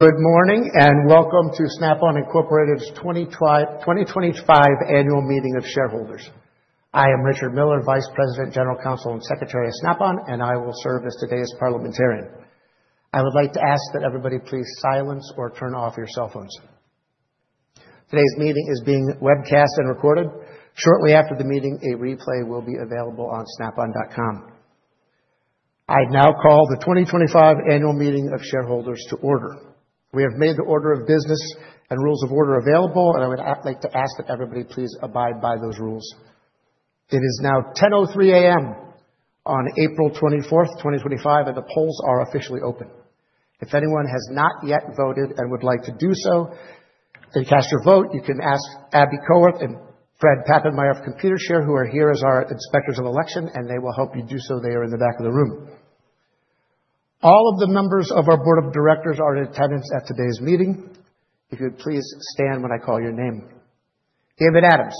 Good morning and welcome to Snap-on Incorporated's 2025 Annual Meeting of Shareholders. I am Richard Miller, Vice President, General Counsel, and Secretary of Snap-on, and I will serve as today's parliamentarian. I would like to ask that everybody please silence or turn off your cell phones. Today's meeting is being webcast and recorded. Shortly after the meeting, a replay will be available on snapon.com. I now call the 2025 Annual Meeting of Shareholders to order. We have made the order of business and rules of order available, and I would like to ask that everybody please abide by those rules. It is now 10:03 A.M. on April 24th, 2025, and the polls are officially open. If anyone has not yet voted and would like to do so, cast your vote. You can ask Abby Cowarth and Fred Papenmeier of Computershare, who are here as our inspectors of election, and they will help you do so. They are in the back of the room. All of the members of our Board of Directors are in attendance at today's meeting. If you could please stand when I call your name. David Adams,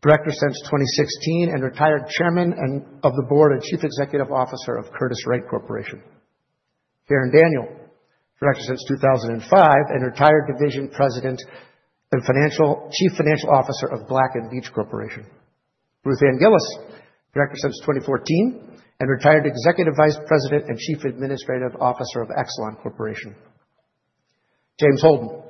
Director since 2016 and retired Chairman of the Board and Chief Executive Officer of Curtiss-Wright Corporation. Karen Daniel, Director since 2005 and retired Division President and Chief Financial Officer of Black & Veatch Corporation. Ruth Ann Gillis, Director since 2014 and retired Executive Vice President and Chief Administrative Officer of Exelon Corporation. James Holden,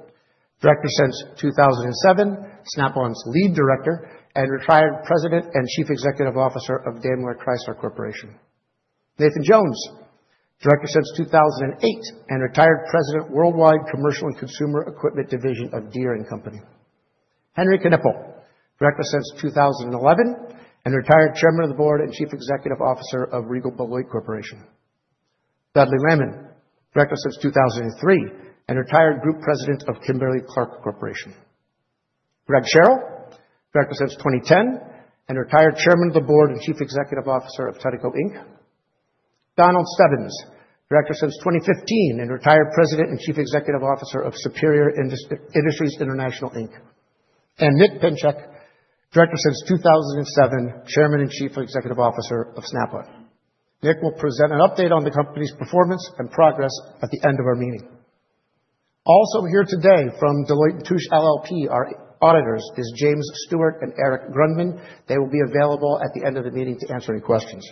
Director since 2007, Snap-on's Lead Director and retired President and Chief Executive Officer of Dana Corporation. Nathan Jones, Director since 2008 and retired President, Worldwide Commercial and Consumer Equipment Division of Deere & Company. Henry Knueppel, Director since 2011 and retired Chairman of the Board and Chief Executive Officer of Regal Beloit Corporation. W. Dudley Lahman, Director since 2003 and retired Group President of Kimberly-Clark Corporation. Greg M. Sherrill, Director since 2010 and retired Chairman of the Board and Chief Executive Officer of Tecumseh Products Company. Donald Stebbins, Director since 2015 and retired President and Chief Executive Officer of Superior Industries International Inc. Nick Pinchuk, Director since 2007, Chairman and Chief Executive Officer of Snap-on. Nick will present an update on the company's performance and progress at the end of our meeting. Also here today from Deloitte & Touche LLP, our auditors, are James Stewart and Eric Grundman. They will be available at the end of the meeting to answer any questions.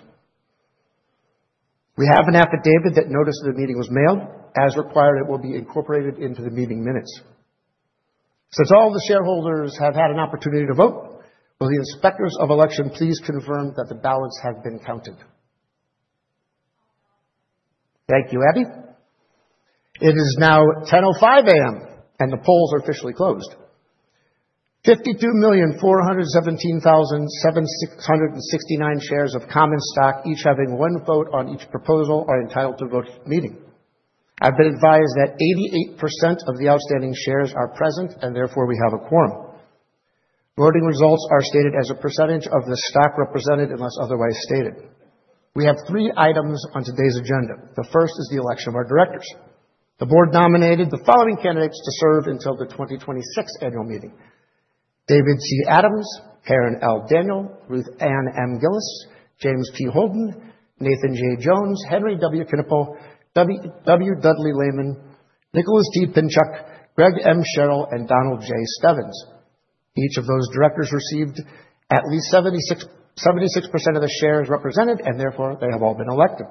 We have an affidavit that notice of the meeting was mailed. As required, it will be incorporated into the meeting minutes. Since all of the shareholders have had an opportunity to vote, will the inspectors of election please confirm that the ballots have been counted? Thank you, Abby. It is now 10:05 A.M., and the polls are officially closed. 52,417,769 shares of common stock, each having one vote on each proposal, are entitled to vote at the meeting. I've been advised that 88% of the outstanding shares are present, and therefore we have a quorum. Voting results are stated as a percentage of the stock represented unless otherwise stated. We have three items on today's agenda. The first is the election of our directors. The board nominated the following candidates to serve until the 2026 Annual Meeting: David C. Adams, Karen L. Daniel, Ruth Ann M. Gillis, James P. Holden, Nathan J. Jones, Henry W. Knueppel, W. Dudley Lahman, Nicholas D. Pinchuk, Greg M. Sherrill, and Donald J. Stebbins. Each of those directors received at least 76% of the shares represented, and therefore they have all been elected.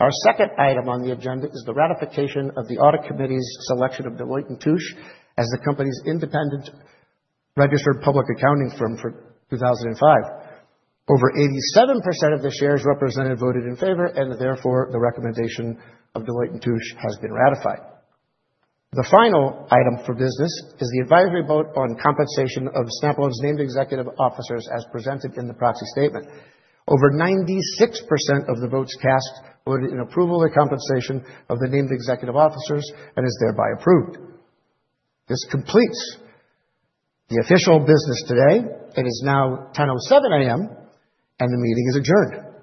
Our second item on the agenda is the ratification of the audit committee's selection of Deloitte & Touche as the company's independent registered public accounting firm for 2005. Over 87% of the shares represented voted in favor, and therefore the recommendation of Deloitte & Touche has been ratified. The final item for business is the advisory vote on compensation of Snap-on's named executive officers as presented in the proxy statement. Over 96% of the votes cast voted in approval of the compensation of the named executive officers and is thereby approved. This completes the official business today. It is now 10:07 A.M., and the meeting is adjourned.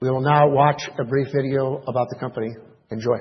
We will now watch a brief video about the company. Enjoy.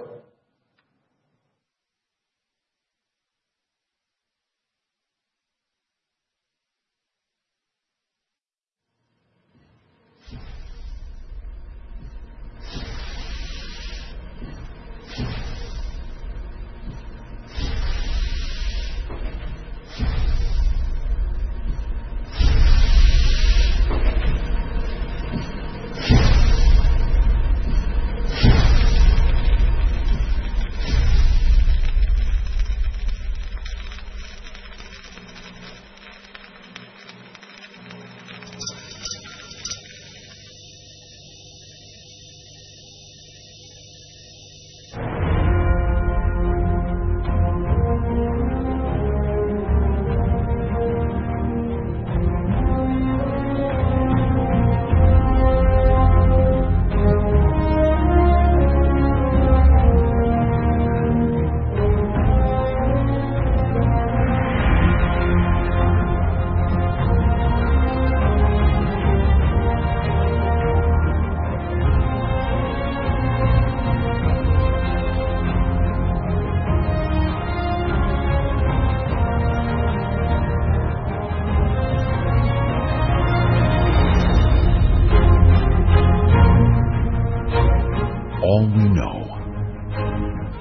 All we know,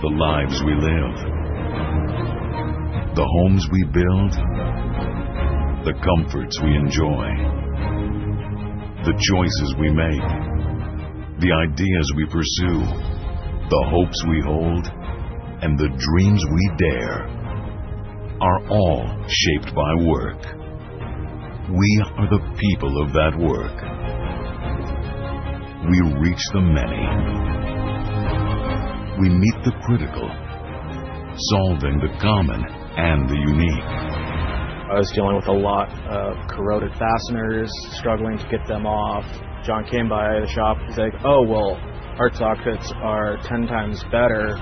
the lives we live, the homes we build, the comforts we enjoy, the choices we make, the ideas we pursue, the hopes we hold, and the dreams we dare are all shaped by work. We are the people of that work. We reach the many. We meet the critical, solving the common and the unique. I was dealing with a lot of corroded fasteners, struggling to get them off. John came by the shop. He's like, "Oh, well, our saw cuts are 10 times better.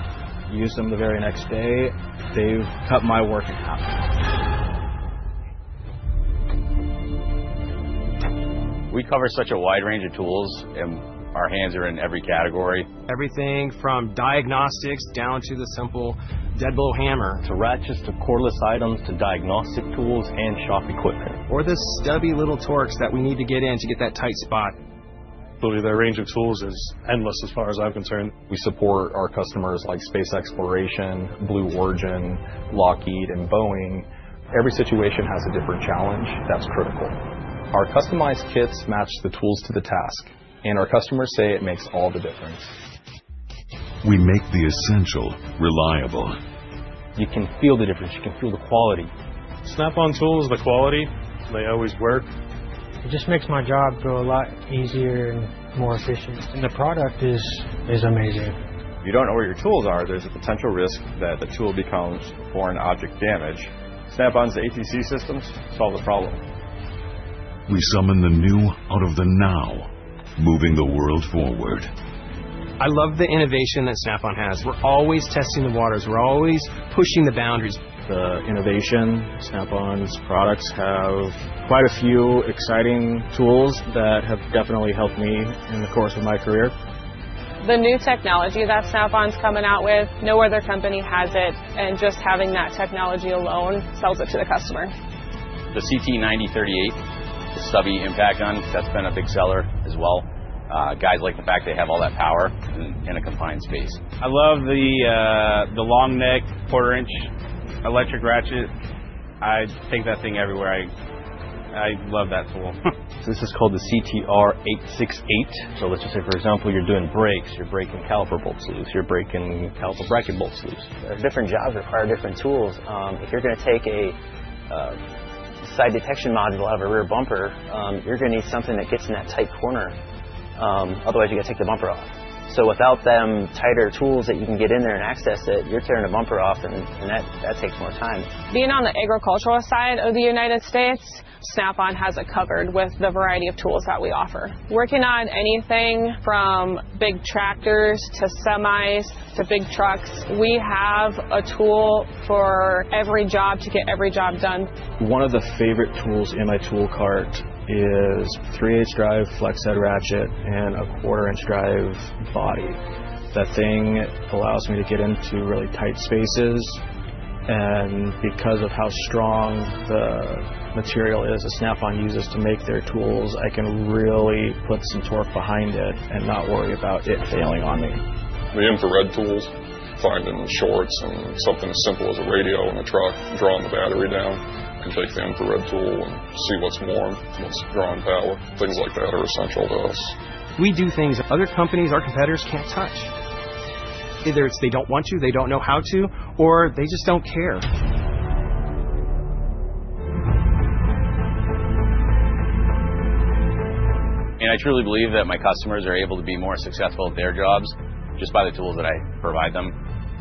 Use them the very next day." They've cut my work in half. We cover such a wide range of tools, and our hands are in every category. Everything from diagnostics down to the simple dead blow hammer. To ratchets to cordless items to diagnostic tools and shop equipment. Or the stubby little torques that we need to get in to get that tight spot. Really, the range of tools is endless as far as I'm concerned. We support our customers like Space exploration, Blue Origin, Lockheed, and Boeing. Every situation has a different challenge that's critical. Our customized kits match the tools to the task, and our customers say it makes all the difference. We make the essential reliable. You can feel the difference. You can feel the quality. Snap-on tools, the quality. They always work. It just makes my job go a lot easier and more efficient. The product is amazing. If you don't know where your tools are, there's a potential risk that the tool becomes foreign object damage. Snap-on's ATC systems solve the problem. We summon the new out of the now, moving the world forward. I love the innovation that Snap-on has. We're always testing the waters. We're always pushing the boundaries. The innovation Snap-on's products have, quite a few exciting tools that have definitely helped me in the course of my career. The new technology that Snap-on's coming out with, no other company has it, and just having that technology alone sells it to the customer. The CT 9038, the stubby impact gun, that's been a big seller as well. Guys like the fact they have all that power in a confined space. I love the long neck quarter-inch electric ratchet. I take that thing everywhere. I love that tool. This is called the CTR 868. Let's just say, for example, you're doing brakes, you're breaking caliper bolt sleeves, you're breaking caliper bracket bolt sleeves. Different jobs require different tools. If you're going to take a side detection module out of a rear bumper, you're going to need something that gets in that tight corner. Otherwise, you're going to take the bumper off. Without them tighter tools that you can get in there and access it, you're tearing a bumper off, and that takes more time. Being on the agricultural side of the United States, Snap-on has it covered with the variety of tools that we offer. Working on anything from big tractors to semis to big trucks, we have a tool for every job to get every job done. One of the favorite tools in my tool cart is three-eighths drive flex head ratchet and a quarter-inch drive body. That thing allows me to get into really tight spaces. Because of how strong the material is that Snap-on uses to make their tools, I can really put some torque behind it and not worry about it failing on me. The infrared tools, finding shorts and something as simple as a radio in a truck, drawing the battery down and taking the infrared tool and seeing what's warm, what's drawing power. Things like that are essential to us. We do things other companies, our competitors, can't touch. Either they don't want to, they don't know how to, or they just don't care. I truly believe that my customers are able to be more successful at their jobs just by the tools that I provide them.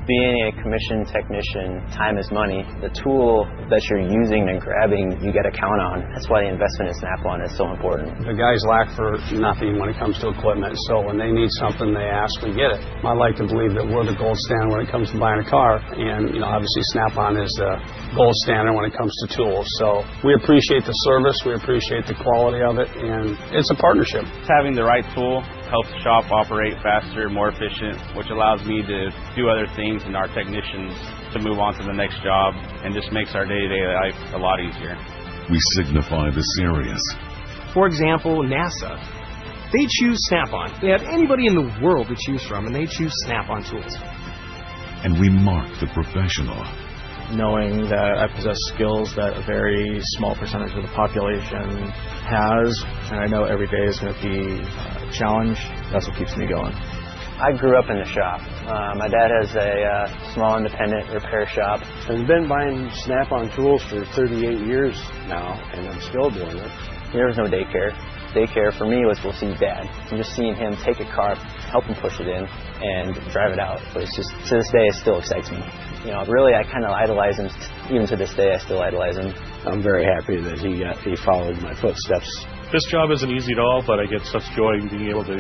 Being a commission technician, time is money. The tool that you're using and grabbing, you get a count on. That's why the investment in Snap-on is so important. The guys lack for nothing when it comes to equipment. When they need something, they ask and get it. I like to believe that we're the gold standard when it comes to buying a car. Obviously, Snap-on is the gold standard when it comes to tools. We appreciate the service. We appreciate the quality of it. It's a partnership. Having the right tool helps the shop operate faster, more efficient, which allows me to do other things and our technicians to move on to the next job and just makes our day-to-day life a lot easier. We signify the serious. For example, NASA. They choose Snap-on. They have anybody in the world to choose from, and they choose Snap-on tools. We mark the professional. Knowing that I possess skills that a very small percentage of the population has, and I know every day is going to be a challenge, that's what keeps me going. I grew up in the shop. My dad has a small independent repair shop. I've been buying Snap-on tools for 38 years now, and I'm still doing it. There was no daycare. Daycare for me was, seeing Dad and just seeing him take a car, help him push it in, and drive it out. It still excites me. Really, I kind of idolize him. Even to this day, I still idolize him. I'm very happy that he followed my footsteps. This job isn't easy at all, but I get such joy in being able to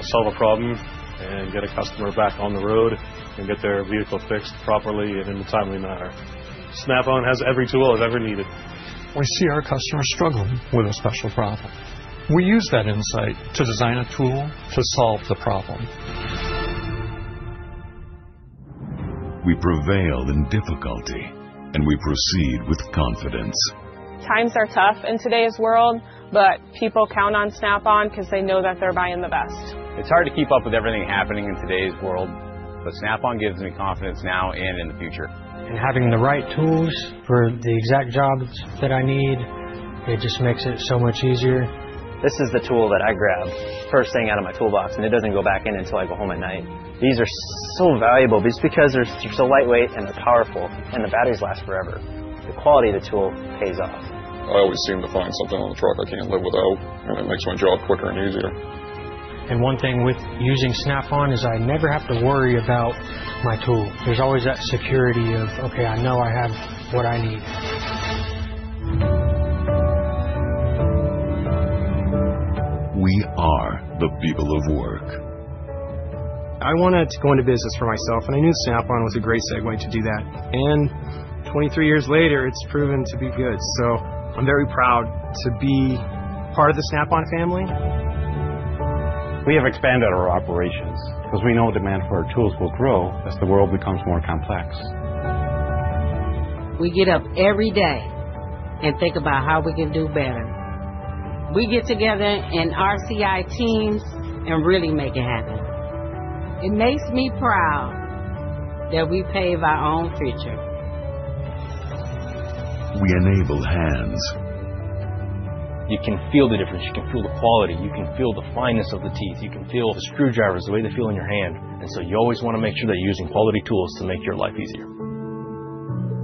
solve a problem and get a customer back on the road and get their vehicle fixed properly and in a timely manner. Snap-on has every tool I've ever needed. When we see our customers struggling with a special problem, we use that insight to design a tool to solve the problem. We prevail in difficulty, and we proceed with confidence. Times are tough in today's world, but people count on Snap-on because they know that they're buying the best. It's hard to keep up with everything happening in today's world, but Snap-on gives me confidence now and in the future. Having the right tools for the exact jobs that I need, it just makes it so much easier. This is the tool that I grab first thing out of my toolbox, and it doesn't go back in until I go home at night. These are so valuable just because they're so lightweight and they're powerful, and the batteries last forever. The quality of the tool pays off. I always seem to find something on the truck I can't live without, and it makes my job quicker and easier. One thing with using Snap-on is I never have to worry about my tool. There's always that security of, okay, I know I have what I need. We are the people of work. I wanted to go into business for myself, and I knew Snap-on was a great segue to do that. Twenty-three years later, it's proven to be good. I am very proud to be part of the Snap-on family. We have expanded our operations because we know the demand for our tools will grow as the world becomes more complex. We get up every day and think about how we can do better. We get together in our CI teams and really make it happen. It makes me proud that we pave our own future. We enable hands. You can feel the difference. You can feel the quality. You can feel the fineness of the teeth. You can feel the screwdrivers, the way they feel in your hand. You always want to make sure that you're using quality tools to make your life easier.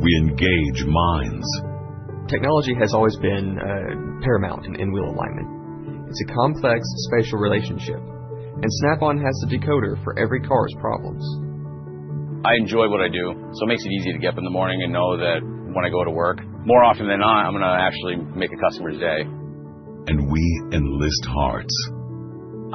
We engage minds. Technology has always been paramount in wheel alignment. It's a complex spatial relationship, and Snap-on has the decoder for every car's problems. I enjoy what I do, so it makes it easy to get up in the morning and know that when I go to work, more often than not, I'm going to actually make a customer's day. We enlist hearts.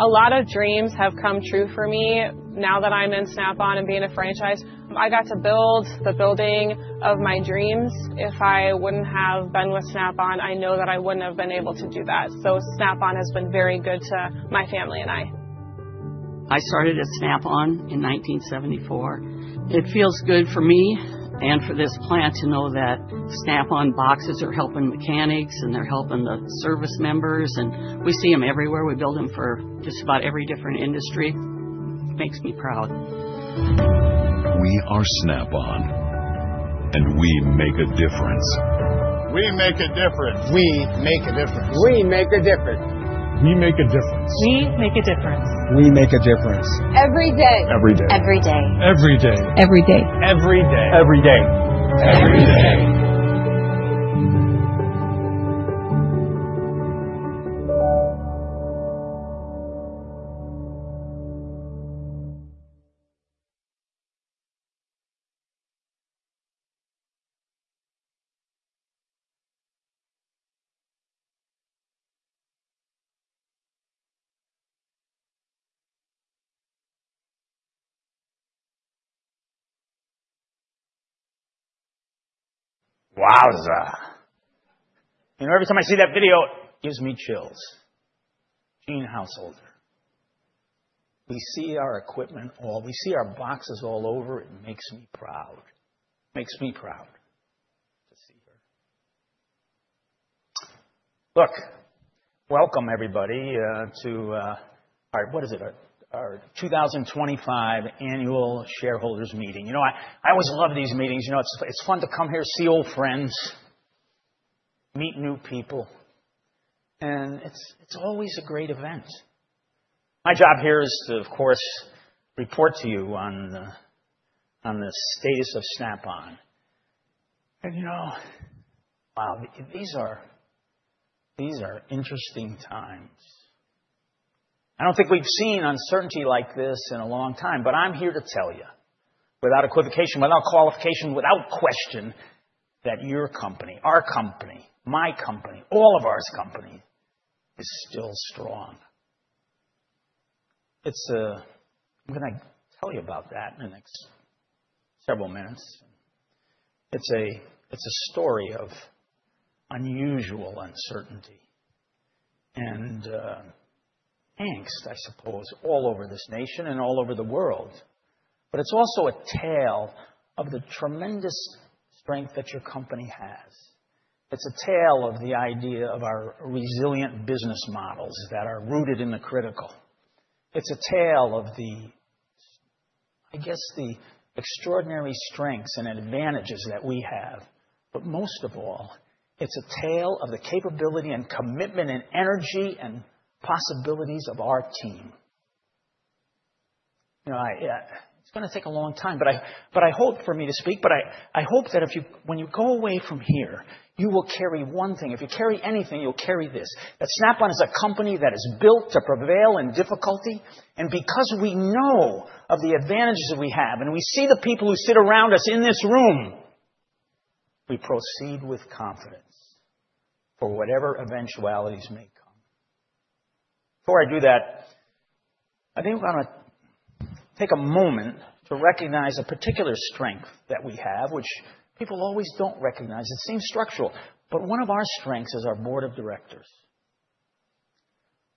A lot of dreams have come true for me now that I'm in Snap-on and being a franchise. I got to build the building of my dreams. If I wouldn't have been with Snap-on, I know that I wouldn't have been able to do that. Snap-on has been very good to my family and I. I started at Snap-on in 1974. It feels good for me and for this plant to know that Snap-on boxes are helping mechanics and they're helping the service members. We see them everywhere. We build them for just about every different industry. It makes me proud. We are Snap-on, and we make a difference. We make a difference. We make a difference. We make a difference. We make a difference. We make a difference. We make a difference. Every day. Every day. Every day. Every day. Every day. Every day. Every day. Every day. Wowza. You know, every time I see that video, it gives me chills. Gene Householder. We see our equipment, we see our boxes all over. It makes me proud. Makes me proud to see her. Look, welcome, everybody, to our—what is it?—our 2025 annual shareholders meeting. You know, I always love these meetings. You know, it's fun to come here, see old friends, meet new people. It is always a great event. My job here is to, of course, report to you on the status of Snap-on. You know, wow, these are interesting times. I do not think we have seen uncertainty like this in a long time, but I am here to tell you without equivocation, without qualification, without question that your company, our company, my company, all of our companies is still strong. I am going to tell you about that in the next several minutes. It's a story of unusual uncertainty and angst, I suppose, all over this nation and all over the world. It's also a tale of the tremendous strength that your company has. It's a tale of the idea of our resilient business models that are rooted in the critical. It's a tale of the, I guess, the extraordinary strengths and advantages that we have. Most of all, it's a tale of the capability and commitment and energy and possibilities of our team. You know, it's going to take a long time, but I hope for me to speak, but I hope that when you go away from here, you will carry one thing. If you carry anything, you'll carry this: that Snap-on is a company that is built to prevail in difficulty. Because we know of the advantages that we have and we see the people who sit around us in this room, we proceed with confidence for whatever eventualities may come. Before I do that, I think I'm going to take a moment to recognize a particular strength that we have, which people always do not recognize. It seems structural. One of our strengths is our board of directors.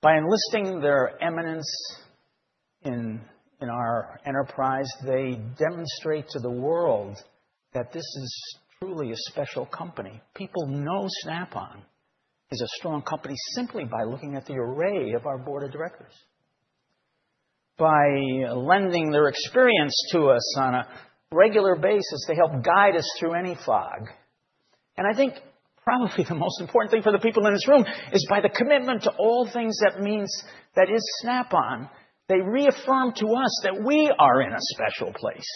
By enlisting their eminence in our enterprise, they demonstrate to the world that this is truly a special company. People know Snap-on is a strong company simply by looking at the array of our board of directors. By lending their experience to us on a regular basis, they help guide us through any fog. I think probably the most important thing for the people in this room is by the commitment to all things that means that is Snap-on, they reaffirm to us that we are in a special place,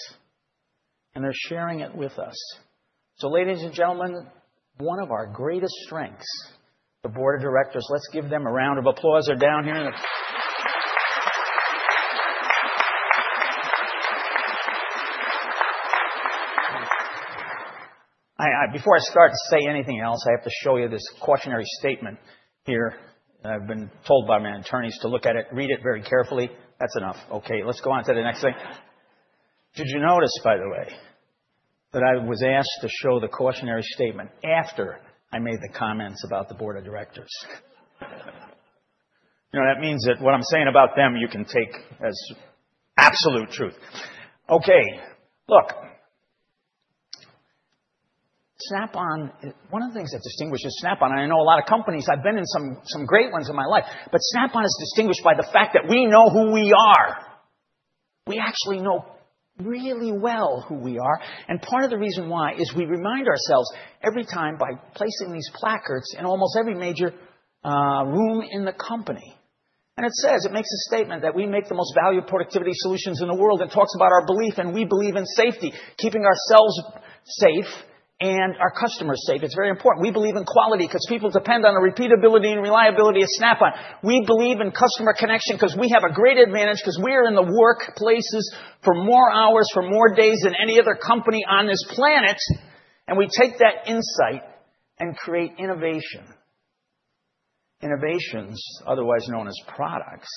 and they're sharing it with us. Ladies and gentlemen, one of our greatest strengths, the board of directors, let's give them a round of applause or down here. Before I start to say anything else, I have to show you this cautionary statement here. I've been told by my attorneys to look at it, read it very carefully. That's enough. Okay, let's go on to the next thing. Did you notice, by the way, that I was asked to show the cautionary statement after I made the comments about the board of directors? You know, that means that what I'm saying about them, you can take as absolute truth. Okay, look, Snap-on, one of the things that distinguishes Snap-on, and I know a lot of companies, I've been in some great ones in my life, but Snap-on is distinguished by the fact that we know who we are. We actually know really well who we are. Part of the reason why is we remind ourselves every time by placing these placards in almost every major room in the company. It says, it makes a statement that we make the most valuable productivity solutions in the world and talks about our belief, and we believe in safety, keeping ourselves safe and our customers safe. It's very important. We believe in quality because people depend on the repeatability and reliability of Snap-on. We believe in customer connection because we have a great advantage because we are in the workplaces for more hours, for more days than any other company on this planet. We take that insight and create innovation. Innovations, otherwise known as products,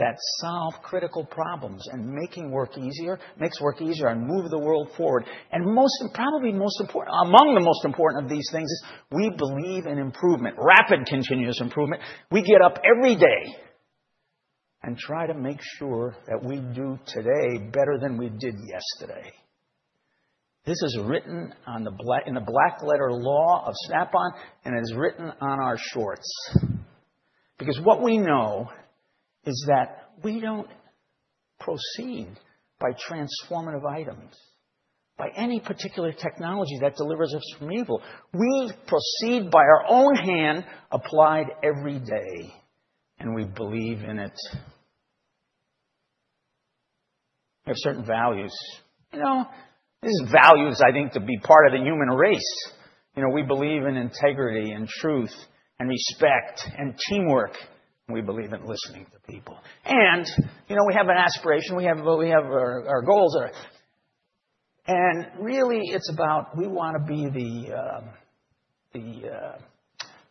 that solve critical problems and make work easier, makes work easier and move the world forward. Most, probably most important, among the most important of these things is we believe in improvement, rapid continuous improvement. We get up every day and try to make sure that we do today better than we did yesterday. This is written in the black letter law of Snap-on, and it is written on our shorts. What we know is that we do not proceed by transformative items, by any particular technology that delivers us from evil. We proceed by our own hand applied every day, and we believe in it. We have certain values. You know, these values, I think, to be part of the human race. You know, we believe in integrity and truth and respect and teamwork. We believe in listening to people. You know, we have an aspiration. We have our goals. Really, it's about we want to be the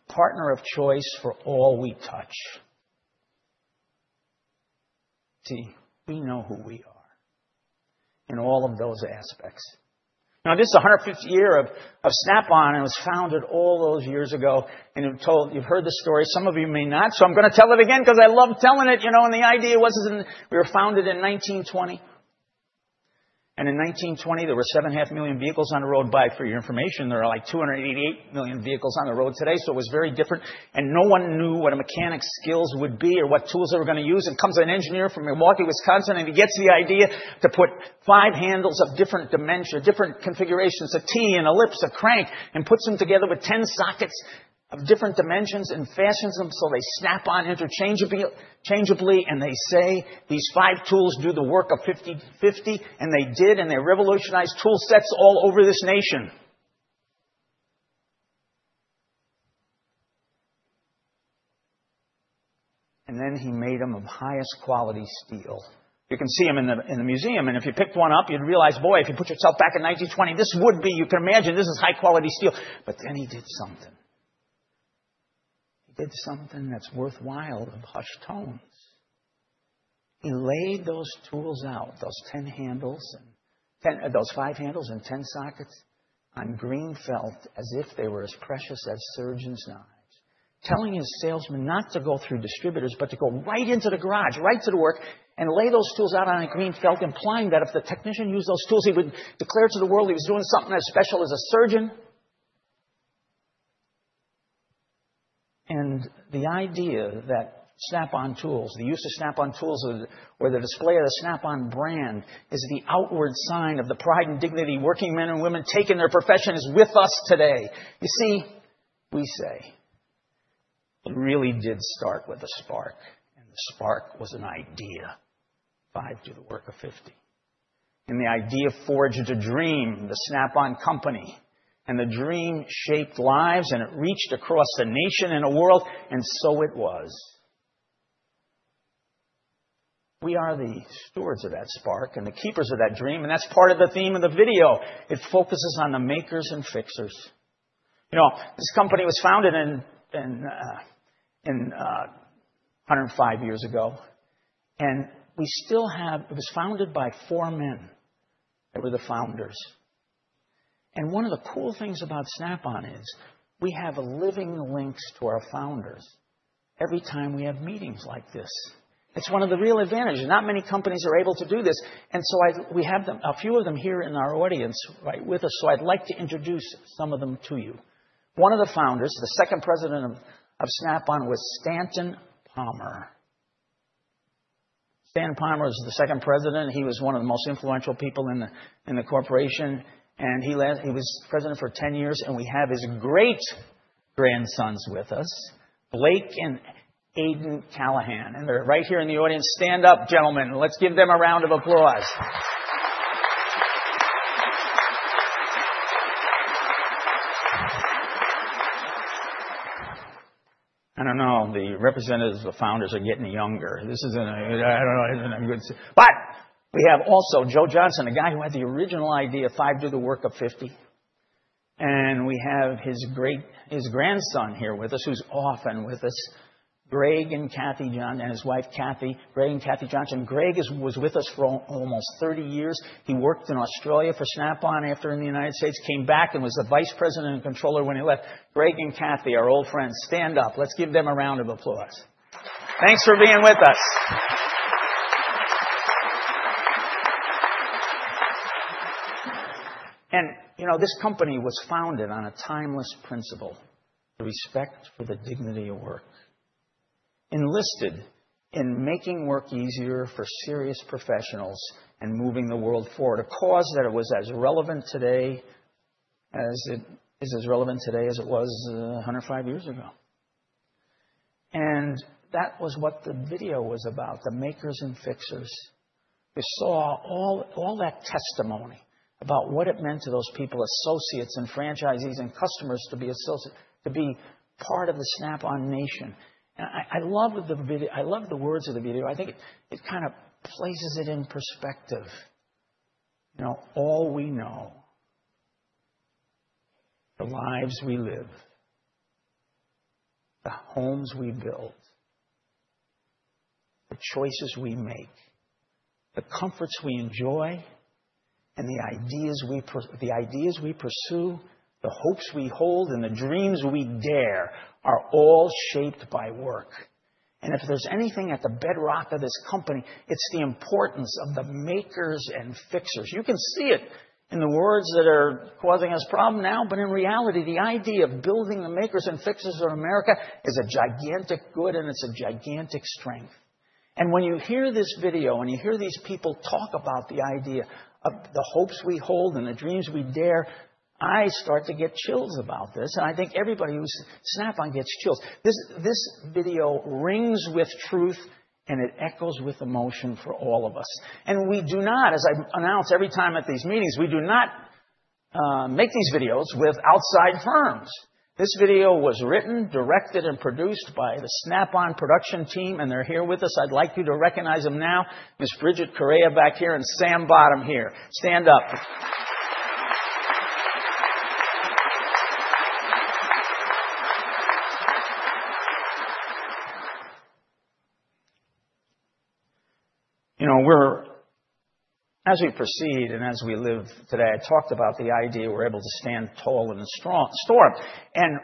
partner of choice for all we touch. See, we know who we are in all of those aspects. Now, this is the 105th year of Snap-on. It was founded all those years ago. You've heard the story. Some of you may not. I am going to tell it again because I love telling it. You know, the idea was we were founded in 1920. In 1920, there were seven and a half million vehicles on the road. For your information, there are like 288 million vehicles on the road today. It was very different. No one knew what a mechanic's skills would be or what tools they were going to use. Comes an engineer from Milwaukee, Wisconsin, and he gets the idea to put five handles of different dimensions, different configurations, a T and ellipse, a crank, and puts them together with 10 sockets of different dimensions and fashions them so they snap on interchangeably. They say these five tools do the work of 50, and they did, and they revolutionized tool sets all over this nation. He made them of highest quality steel. You can see them in the museum. If you picked one up, you'd realize, boy, if you put yourself back in 1920, this would be, you can imagine, this is high quality steel. He did something. He did something that's worthwhile of hushed tones. He laid those tools out, those 10 handles and those five handles and 10 sockets on green felt as if they were as precious as surgeon's knives, telling his salesmen not to go through distributors, but to go right into the garage, right to the work, and lay those tools out on a green felt, implying that if the technician used those tools, he would declare to the world he was doing something as special as a surgeon. The idea that Snap-on tools, the use of Snap-on tools or the display of the Snap-on brand is the outward sign of the pride and dignity working men and women take in their profession is with us today. You see, we say it really did start with a spark, and the spark was an idea. Five do the work of 50. The idea forged a dream, the Snap-on company, and the dream shaped lives, and it reached across a nation and a world, and so it was. We are the stewards of that spark and the keepers of that dream. That is part of the theme of the video. It focuses on the makers and fixers. You know, this company was founded 105 years ago, and we still have, it was founded by four men that were the founders. One of the cool things about Snap-on is we have living links to our founders every time we have meetings like this. It is one of the real advantages. Not many companies are able to do this. We have a few of them here in our audience right with us. I would like to introduce some of them to you. One of the founders, the second president of Snap-on, was Stanton Palmer. Stan Palmer was the second president. He was one of the most influential people in the corporation. He was president for 10 years. We have his great grandsons with us, Blake and Aiden Callahan. They're right here in the audience. Stand up, gentlemen. Let's give them a round of applause. I don't know, the representatives of the founders are getting younger. This isn't a, I don't know, isn't a good, but we have also Joe Johnson, the guy who had the original idea, five do the work of 50. We have his great, his grandson here with us, who's often with us, Greg and Kathy Johnson, and his wife, Kathy, Greg and Kathy Johnson. Greg was with us for almost 30 years. He worked in Australia for Snap-on after in the United States, came back and was the Vice President and Controller when he left. Greg and Kathy, our old friends, stand up. Let's give them a round of applause. Thanks for being with us. You know, this company was founded on a timeless principle, the respect for the dignity of work, enlisted in making work easier for serious professionals and moving the world forward, a cause that is as relevant today as it was 105 years ago. That was what the video was about, the makers and fixers. We saw all that testimony about what it meant to those people, associates and franchisees and customers to be part of the Snap-on nation. I love the video. I love the words of the video. I think it kind of places it in perspective. You know, all we know, the lives we live, the homes we build, the choices we make, the comforts we enjoy, and the ideas we pursue, the hopes we hold, and the dreams we dare are all shaped by work. If there's anything at the bedrock of this company, it's the importance of the makers and fixers. You can see it in the words that are causing us problems now, but in reality, the idea of building the makers and fixers of America is a gigantic good, and it's a gigantic strength. When you hear this video and you hear these people talk about the idea of the hopes we hold and the dreams we dare, I start to get chills about this. I think everybody who's Snap-on gets chills. This video rings with truth, and it echoes with emotion for all of us. We do not, as I announce every time at these meetings, we do not make these videos with outside firms. This video was written, directed, and produced by the Snap-on production team, and they're here with us. I'd like you to recognize them now. Ms. Bridget Correa back here and Sam Bottum here. Stand up. You know, as we proceed and as we live today, I talked about the idea we're able to stand tall in a storm.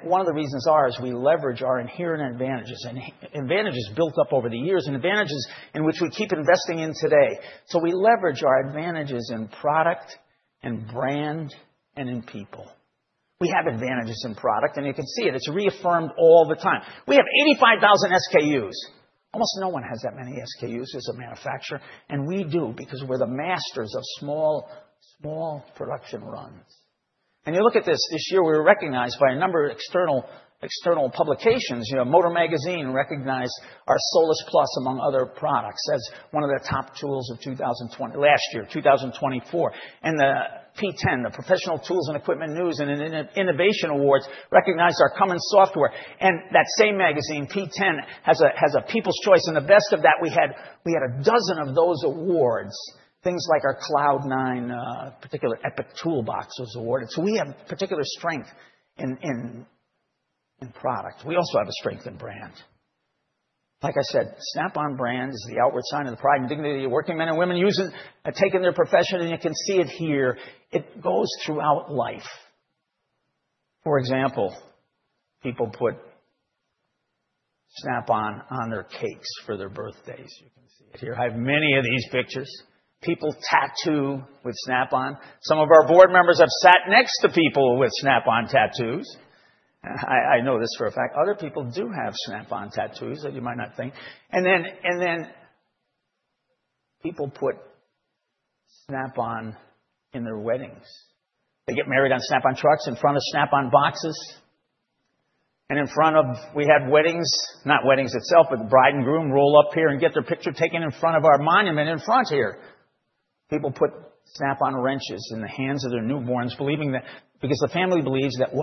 One of the reasons is we leverage our inherent advantages and advantages built up over the years and advantages in which we keep investing in today. We leverage our advantages in product and brand and in people. We have advantages in product, and you can see it. It's reaffirmed all the time. We have 85,000 SKUs. Almost no one has that many SKUs as a manufacturer. We do because we're the masters of small, small production runs. You look at this. This year, we were recognized by a number of external publications. You know, Motor Magazine recognized our Solus+ among other products as one of the top tools of 2020, last year, 2024. The P10, the Professional Tool and Equipment News and Innovation Awards, recognized our Cummins software. That same magazine, P10, has a People's Choice. The best of that, we had a dozen of those awards, things like our Cloud9, particularly Epic Toolbox was awarded. We have particular strength in product. We also have a strength in brand. Like I said, Snap-on brand is the outward sign of the pride and dignity of working men and women using it, taking their profession, and you can see it here. It goes throughout life. For example, people put Snap-on on their cakes for their birthdays. You can see it here. I have many of these pictures. People tattoo with Snap-on. Some of our board members have sat next to people with Snap-on tattoos. I know this for a fact. Other people do have Snap-on tattoos that you might not think. People put Snap-on in their weddings. They get married on Snap-on trucks in front of Snap-on boxes. In front of, we have weddings, not weddings itself, but the bride and groom roll up here and get their picture taken in front of our monument in front here. People put Snap-on wrenches in the hands of their newborns, believing that because the family believes that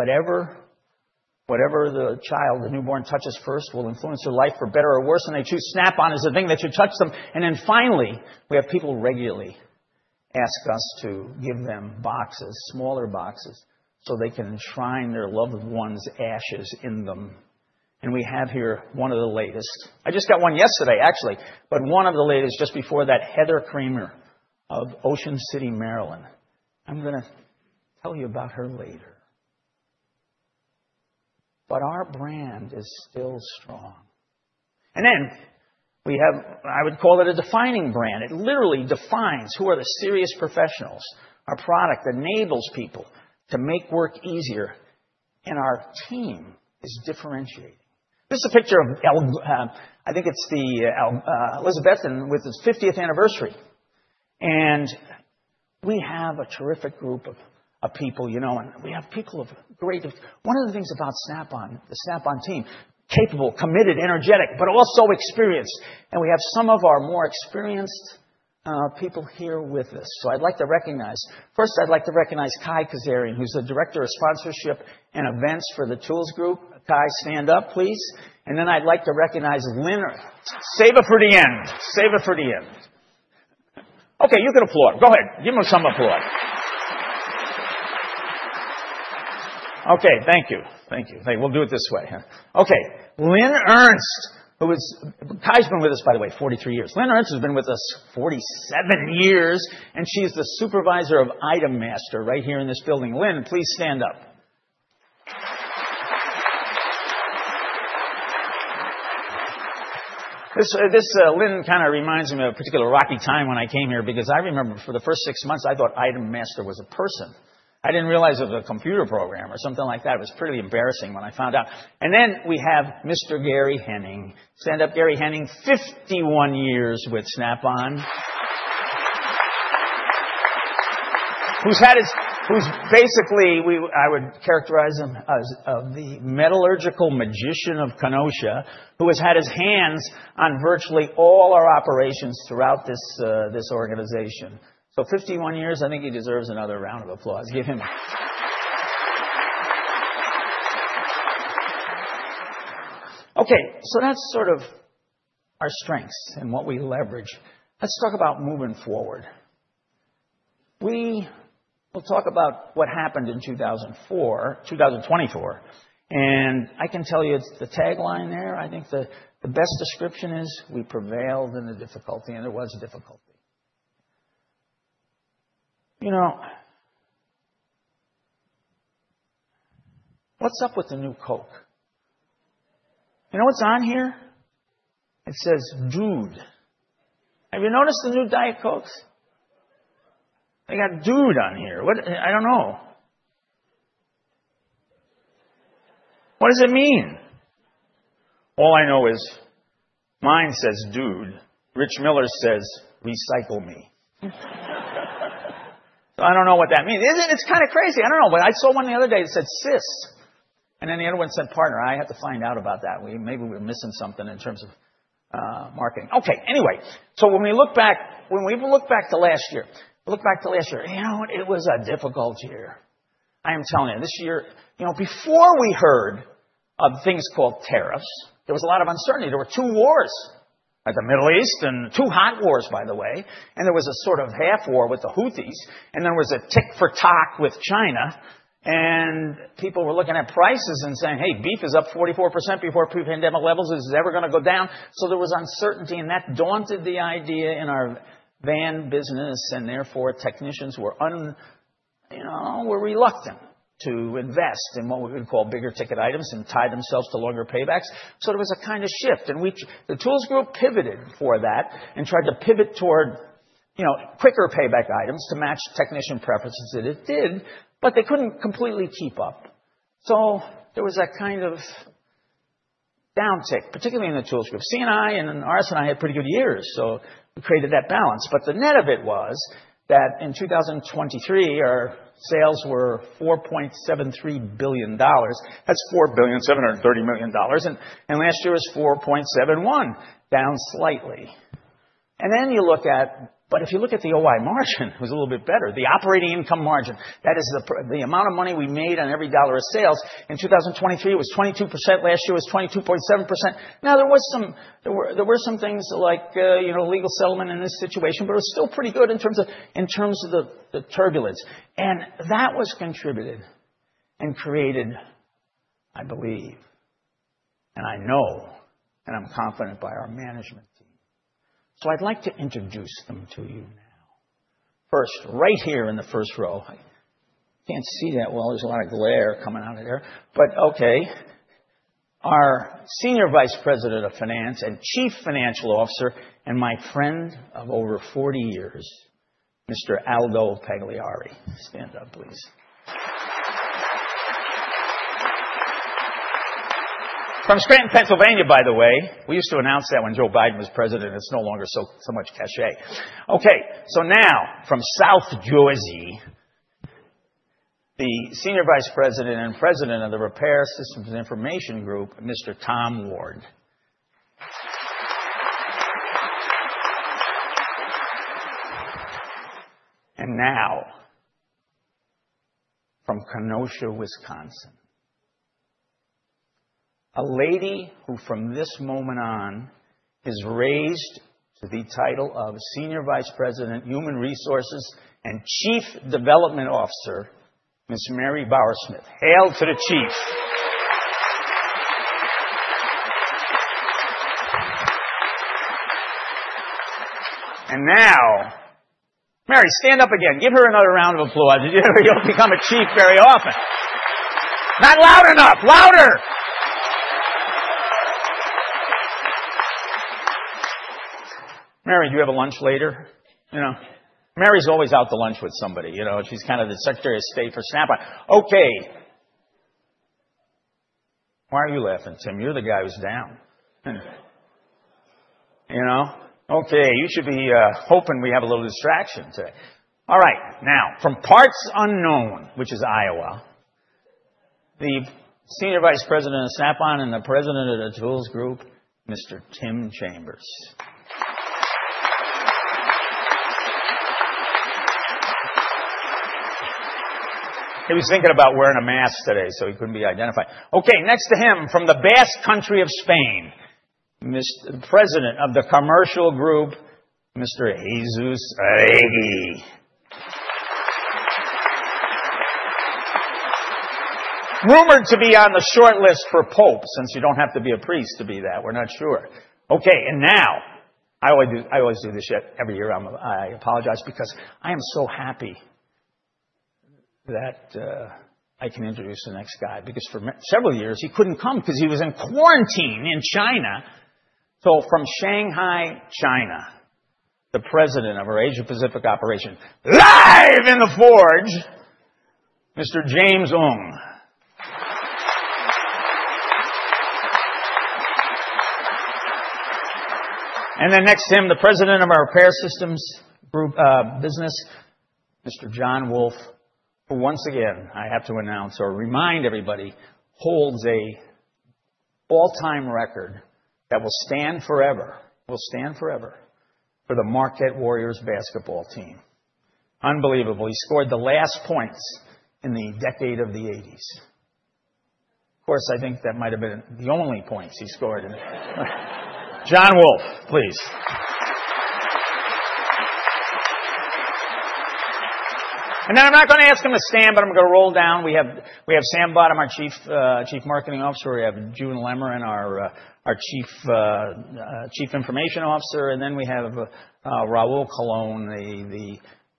whatever the child, the newborn touches first will influence their life for better or worse. They choose Snap-on as the thing that should touch them. We have people regularly ask us to give them boxes, smaller boxes, so they can enshrine their loved one's ashes in them. We have here one of the latest. I just got one yesterday, actually, but one of the latest just before that, Heather Kremer of Ocean City, Maryland. I'm going to tell you about her later. Our brand is still strong. We have, I would call it a defining brand. It literally defines who are the serious professionals. Our product enables people to make work easier, and our team is differentiating. This is a picture of, I think it's the Elizabethan with its 50th anniversary. We have a terrific group of people, you know, and we have people of great, one of the things about Snap-on, the Snap-on team, capable, committed, energetic, but also experienced. We have some of our more experienced people here with us. I'd like to recognize, first, I'd like to recognize Kai Kazarian, who's the Director of Sponsorship and Events for the Tools Group. Kai, stand up, please. I'd like to recognize Lynn. Save it for the end. Save it for the end. Okay, you can applaud. Go ahead. Give them some applause. Okay, thank you. Thank you. We'll do it this way. Okay. Lynn Ernst, who is, Kai's been with us, by the way, 43 years. Lynn Ernst has been with us 47 years, and she's the Supervisor of Item Master right here in this building. Lynn, please stand up. This Lynn kind of reminds me of a particular rocky time when I came here because I remember for the first six months, I thought Item Master was a person. I didn't realize it was a computer program or something like that. It was pretty embarrassing when I found out. And then we have Mr. Gary Henning. Stand up, Gary Henning, 51 years with Snap-on. Who's had his, who's basically, I would characterize him as the metallurgical magician of Kenosha, who has had his hands on virtually all our operations throughout this organization. So 51 years, I think he deserves another round of applause. Give him. Okay, that's sort of our strengths and what we leverage. Let's talk about moving forward. We will talk about what happened in 2004, 2024. I can tell you it's the tagline there. I think the best description is we prevailed in the difficulty, and there was difficulty. You know, what's up with the new Coke? You know what's on here? It says dude. Have you noticed the new Diet Cokes? They got dude on here. I don't know. What does it mean? All I know is mine says dude. Rich Miller says, recycle me. I don't know what that means. Isn't it? It's kind of crazy. I don't know. I saw one the other day. It said sis. Then the other one said partner. I have to find out about that. Maybe we're missing something in terms of marketing. Okay. Anyway, when we look back to last year, you know what? It was a difficult year. I am telling you this year, before we heard of things called tariffs, there was a lot of uncertainty. There were two wars at the Middle East and two hot wars, by the way. There was a sort of half war with the Houthis. There was a tick for talk with China. People were looking at prices and saying, hey, beef is up 44% before pre-pandemic levels. Is it ever going to go down? There was uncertainty, and that daunted the idea in our van business. Therefore, technicians were, you know, reluctant to invest in what we would call bigger ticket items and tie themselves to longer paybacks. There was a kind of shift. The tools group pivoted for that and tried to pivot toward, you know, quicker payback items to match technician preferences that it did, but they could not completely keep up. There was that kind of downtick, particularly in the tools group. CNI and RSNI had pretty good years, so we created that balance. The net of it was that in 2023, our sales were $4.73 billion. That is $4,730 million. Last year was $4.71, down slightly. If you look at the OI margin, it was a little bit better. The operating income margin, that is the amount of money we made on every dollar of sales. In 2023, it was 22%. Last year was 22.7%. There were some things like, you know, legal settlement in this situation, but it was still pretty good in terms of the turbulence. That was contributed and created, I believe, and I know, and I'm confident by our management team. I'd like to introduce them to you now. First, right here in the first row. I can't see that well. There's a lot of glare coming out of there. Okay. Our Senior Vice President of Finance and Chief Financial Officer and my friend of over 40 years, Mr. Aldo Pagliari. Stand up, please. From Scranton, Pennsylvania, by the way. We used to announce that when Joe Biden was president. It's no longer so much cachet. Okay. Now from South Jersey, the Senior Vice President and President of the Repair Systems and Information Group, Mr. Tom Ward. Now from Kenosha, Wisconsin, a lady who from this moment on is raised to the title of Senior Vice President, Human Resources, and Chief Development Officer, Ms. Mary Bowersmith. Hail to the chief. Now, Mary, stand up again. Give her another round of applause. You don't become a chief very often. Not loud enough. Louder. Mary, do you have a lunch later? You know, Mary's always out to lunch with somebody. You know, she's kind of the Secretary of State for Snap-on. Okay. Why are you laughing, Tim? You're the guy who's down. You know? Okay. You should be hoping we have a little distraction today. All right. Now, from parts unknown, which is Iowa, the Senior Vice President of Snap-on and the President of the Tools Group, Mr. Tim Chambers. He was thinking about wearing a mask today, so he couldn't be identified. Okay. Next to him, from the best country of Spain, the President of the Commercial Group, Mr. Jesus Arregui. Rumored to be on the short list for pope, since you don't have to be a priest to be that. We're not sure. Okay. I always do this every year. I apologize because I am so happy that I can introduce the next guy because for several years, he couldn't come because he was in quarantine in China. From Shanghai, China, the President of our Asia-Pacific operation, live in the Forge, Mr. James Ong. Next to him, the President of our Repair Systems Group business, Mr. John Wolf, who once again, I have to announce or remind everybody, holds an all-time record that will stand forever, will stand forever for the Marquette Warriors basketball team. Unbelievable. He scored the last points in the decade of the 1980s. Of course, I think that might have been the only points he scored. John Wolf, please. I am not going to ask him to stand, but I am going to roll down. We have Sam Bottum, our Chief Marketing Officer. We have June Lemmer, our Chief Information Officer. Then we have Raul Colon, the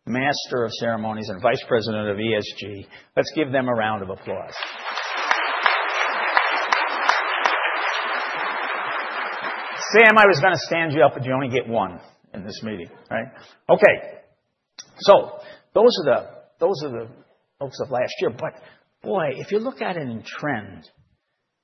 master of ceremonies and Vice President of ESG. Let's give them a round of applause. Sam, I was going to stand you up, but you only get one in this meeting, right? Okay. Those are the folks of last year. If you look at it in trend,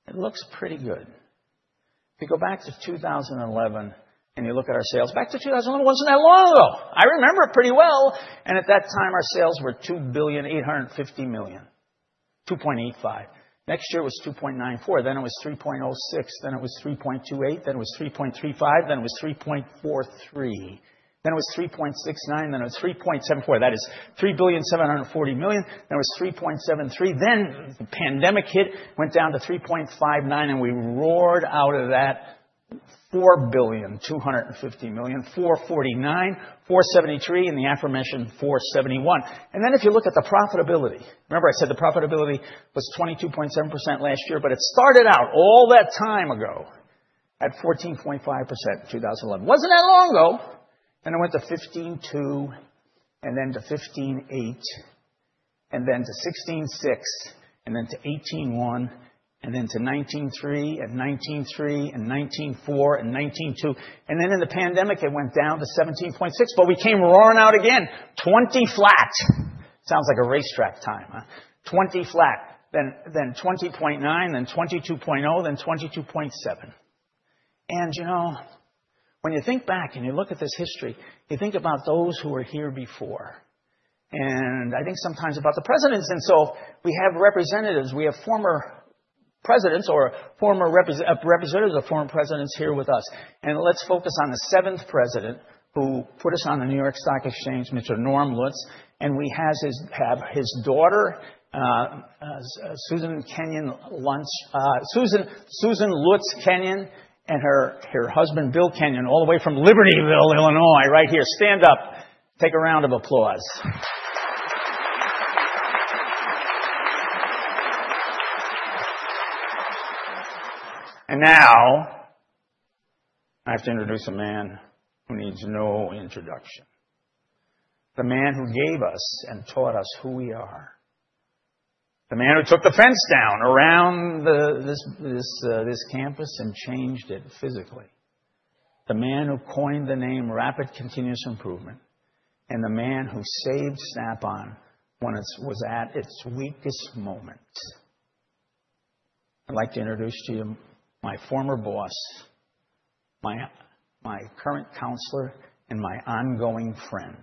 it looks pretty good. If you go back to 2011 and you look at our sales, back to 2011 was not that long ago. I remember it pretty well. At that time, our sales were $2,850 million, $2.85. Next year was $2.94. Then it was $3.06. Then it was $3.28. Then it was $3.35. Then it was $3.43. Then it was $3.69. Then it was $3.74. That is $3,740 million. Then it was $3.73. The pandemic hit, went down to $3.59, and we roared out of that $4,250 million, $449, $473, and the aforementioned $471. If you look at the profitability, remember I said the profitability was 22.7% last year, but it started out all that time ago at 14.5% in 2011. Was not that long ago. It went to 15.2, and then to 15.8, and then to 16.6, and then to 18.1, and then to 19.3, and 19.3, and 19.4, and 19.2. In the pandemic, it went down to 17.6, but we came roaring out again, 20 flat. Sounds like a racetrack time. 20 flat, then 20.9, then 22.0, then 22.7. You know, when you think back and you look at this history, you think about those who were here before. I think sometimes about the presidents. We have representatives. We have former presidents or former representatives of former presidents here with us. Let's focus on the seventh president who put us on the New York Stock Exchange, Mr. Norm Lutz. We have his daughter, Susan Lutz Kenyon, and her husband, Bill Kenyon, all the way from Libertyville, Illinois, right here. Stand up. Take a round of applause. Now, I have to introduce a man who needs no introduction. The man who gave us and taught us who we are. The man who took the fence down around this campus and changed it physically. The man who coined the name rapid continuous improvement, and the man who saved Snap-on when it was at its weakest moment. I'd like to introduce to you my former boss, my current counselor, and my ongoing friend.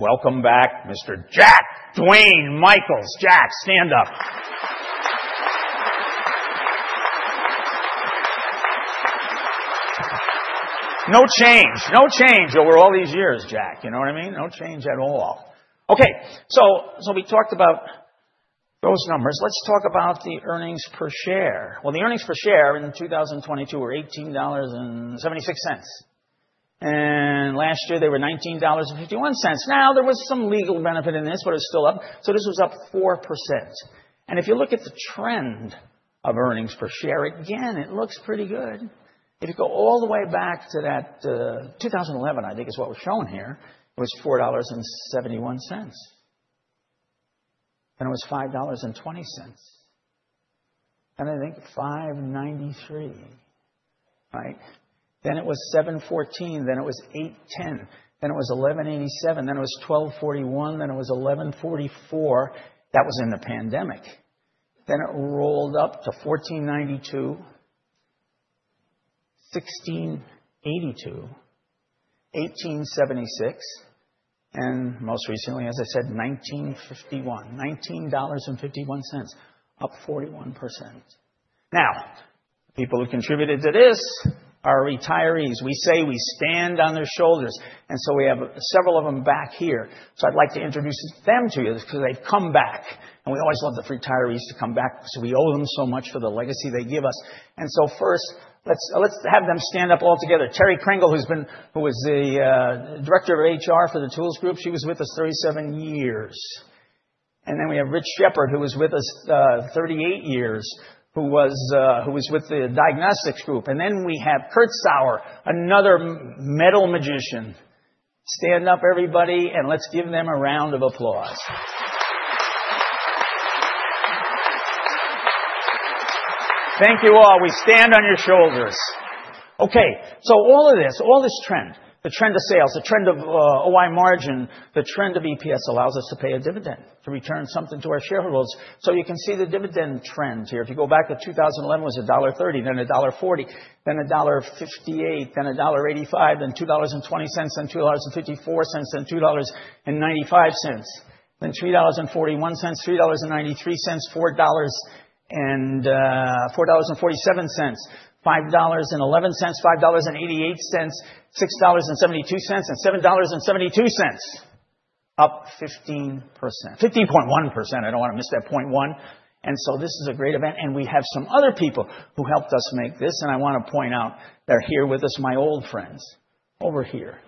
Welcome back, Mr. Jack Duane Michaels. Jack, stand up. No change. No change over all these years, Jack. You know what I mean? No change at all. Okay. We talked about those numbers. Let's talk about the earnings per share. The earnings per share in 2022 were $18.76. Last year, they were $19.51. There was some legal benefit in this, but it's still up. This was up 4%. If you look at the trend of earnings per share, again, it looks pretty good. If you go all the way back to that 2011, I think is what we're showing here, it was $4.71. Then it was $5.20. Then I think $5.93, right? Then it was $7.14. Then it was $8.10. Then it was $11.87. Then it was $12.41. Then it was $11.44. That was in the pandemic. Then it rolled up to $14.92, $16.82, $18.76, and most recently, as I said, $1951, $19.51, up 41%. The people who contributed to this are retirees. We say we stand on their shoulders. We have several of them back here. I'd like to introduce them to you because they've come back. We always love the retirees to come back because we owe them so much for the legacy they give us. First, let's have them stand up all together. Terry Pringle, who was the Director of HR for the Tools Group, she was with us 37 years. Then we have Rich Shepard, who was with us 38 years, who was with the Diagnostics Group. Then we have Kurt Sauer, another metal magician. Stand up, everybody, and let's give them a round of applause. Thank you all. We stand on your shoulders. All of this, all this trend, the trend of sales, the trend of OI margin, the trend of EPS allows us to pay a dividend, to return something to our shareholders. You can see the dividend trend here. If you go back to 2011, it was $1.30, then $1.40, then $1.58, then $1.85, then $2.20, then $2.54, then $2.95, then $3.41, $3.93, $4.47, $5.11, $5.88, $6.72, and $7.72, up 15%. 15.1%. I do not want to miss that 0.1. This is a great event. We have some other people who helped us make this, and I want to point out they are here with us, my old friends. Over here,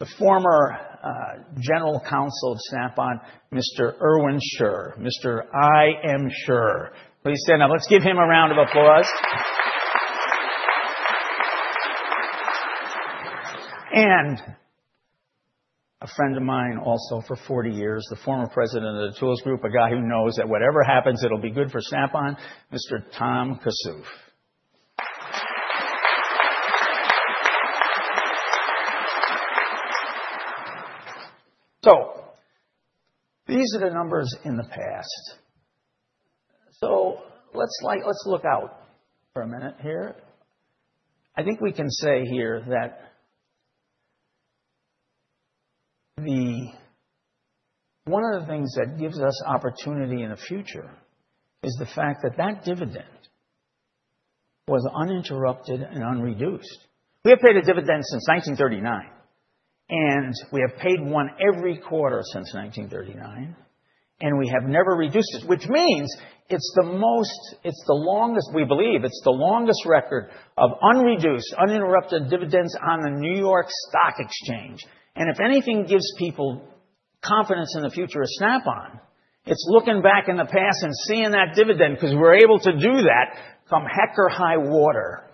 the former General Counsel of Snap-on, Mr. Erwin Scher, Mr. I.M. Scher. Please stand up. Let's give him a round of applause. A friend of mine also for 40 years, the former President of the Tools Group, a guy who knows that whatever happens, it will be good for Snap-on, Mr. Tom Kassouf. These are the numbers in the past. Let's look out for a minute here. I think we can say here that one of the things that gives us opportunity in the future is the fact that that dividend was uninterrupted and unreduced. We have paid a dividend since 1939, and we have paid one every quarter since 1939, and we have never reduced it, which means it's the most, it's the longest, we believe, it's the longest record of unreduced, uninterrupted dividends on the New York Stock Exchange. If anything gives people confidence in the future of Snap-on, it's looking back in the past and seeing that dividend because we're able to do that from heck or high water.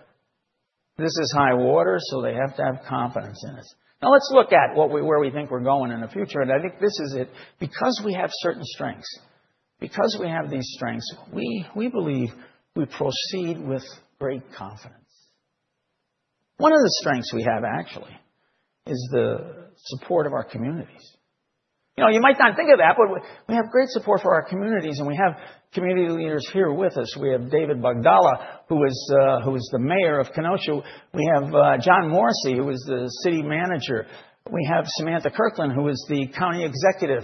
This is high water, so they have to have confidence in us. Now, let's look at where we think we're going in the future. I think this is it. Because we have certain strengths, because we have these strengths, we believe we proceed with great confidence. One of the strengths we have, actually, is the support of our communities. You might not think of that, but we have great support for our communities, and we have community leaders here with us. We have David Bogdalla, who is the mayor of Kenosha. We have John Morsey, who is the city manager. We have Samantha Kirkland, who is the county executive.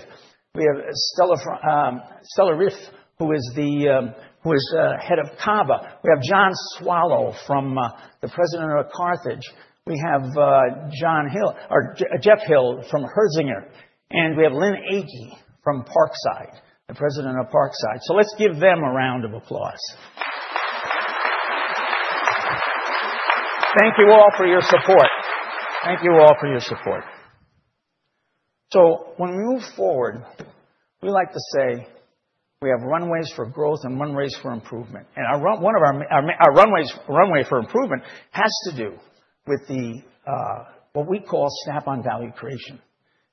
We have Stella Riff, who is the head of CABA. We have John Swallow, the president of Carthage. We have Jeff Hill from Hertzinger. We have Lynn Agee from Parkside, the president of Parkside. Let's give them a round of applause. Thank you all for your support. Thank you all for your support. When we move forward, we like to say we have runways for growth and runways for improvement. One of our runways for improvement has to do with what we call Snap-on value creation.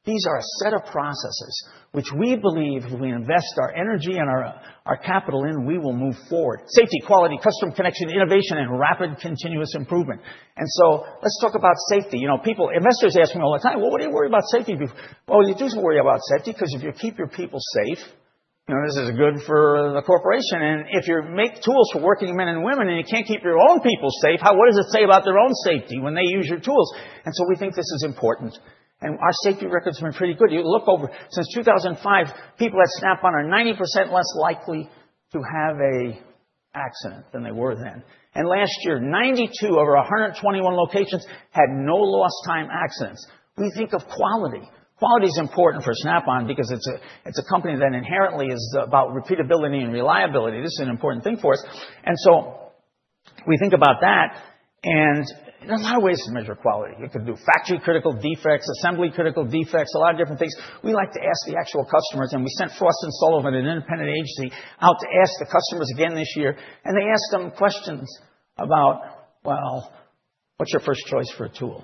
These are a set of processes which we believe if we invest our energy and our capital in, we will move forward: safety, quality, customer connection, innovation, and rapid continuous improvement. Let's talk about safety. You know, investors ask me all the time, "What do you worry about safety?" You do worry about safety because if you keep your people safe, this is good for the corporation. If you make tools for working men and women and you can't keep your own people safe, what does it say about their own safety when they use your tools? We think this is important. Our safety record's been pretty good. You look over since 2005, people at Snap-on are 90% less likely to have an accident than they were then. Last year, 92 over 121 locations had no lost-time accidents. We think of quality. Quality is important for Snap-on because it's a company that inherently is about repeatability and reliability. This is an important thing for us. We think about that. There are a lot of ways to measure quality. You could do factory-critical defects, assembly-critical defects, a lot of different things. We like to ask the actual customers. We sent Frost & Sullivan, an independent agency, out to ask the customers again this year. They asked them questions about, "What's your first choice for a tool?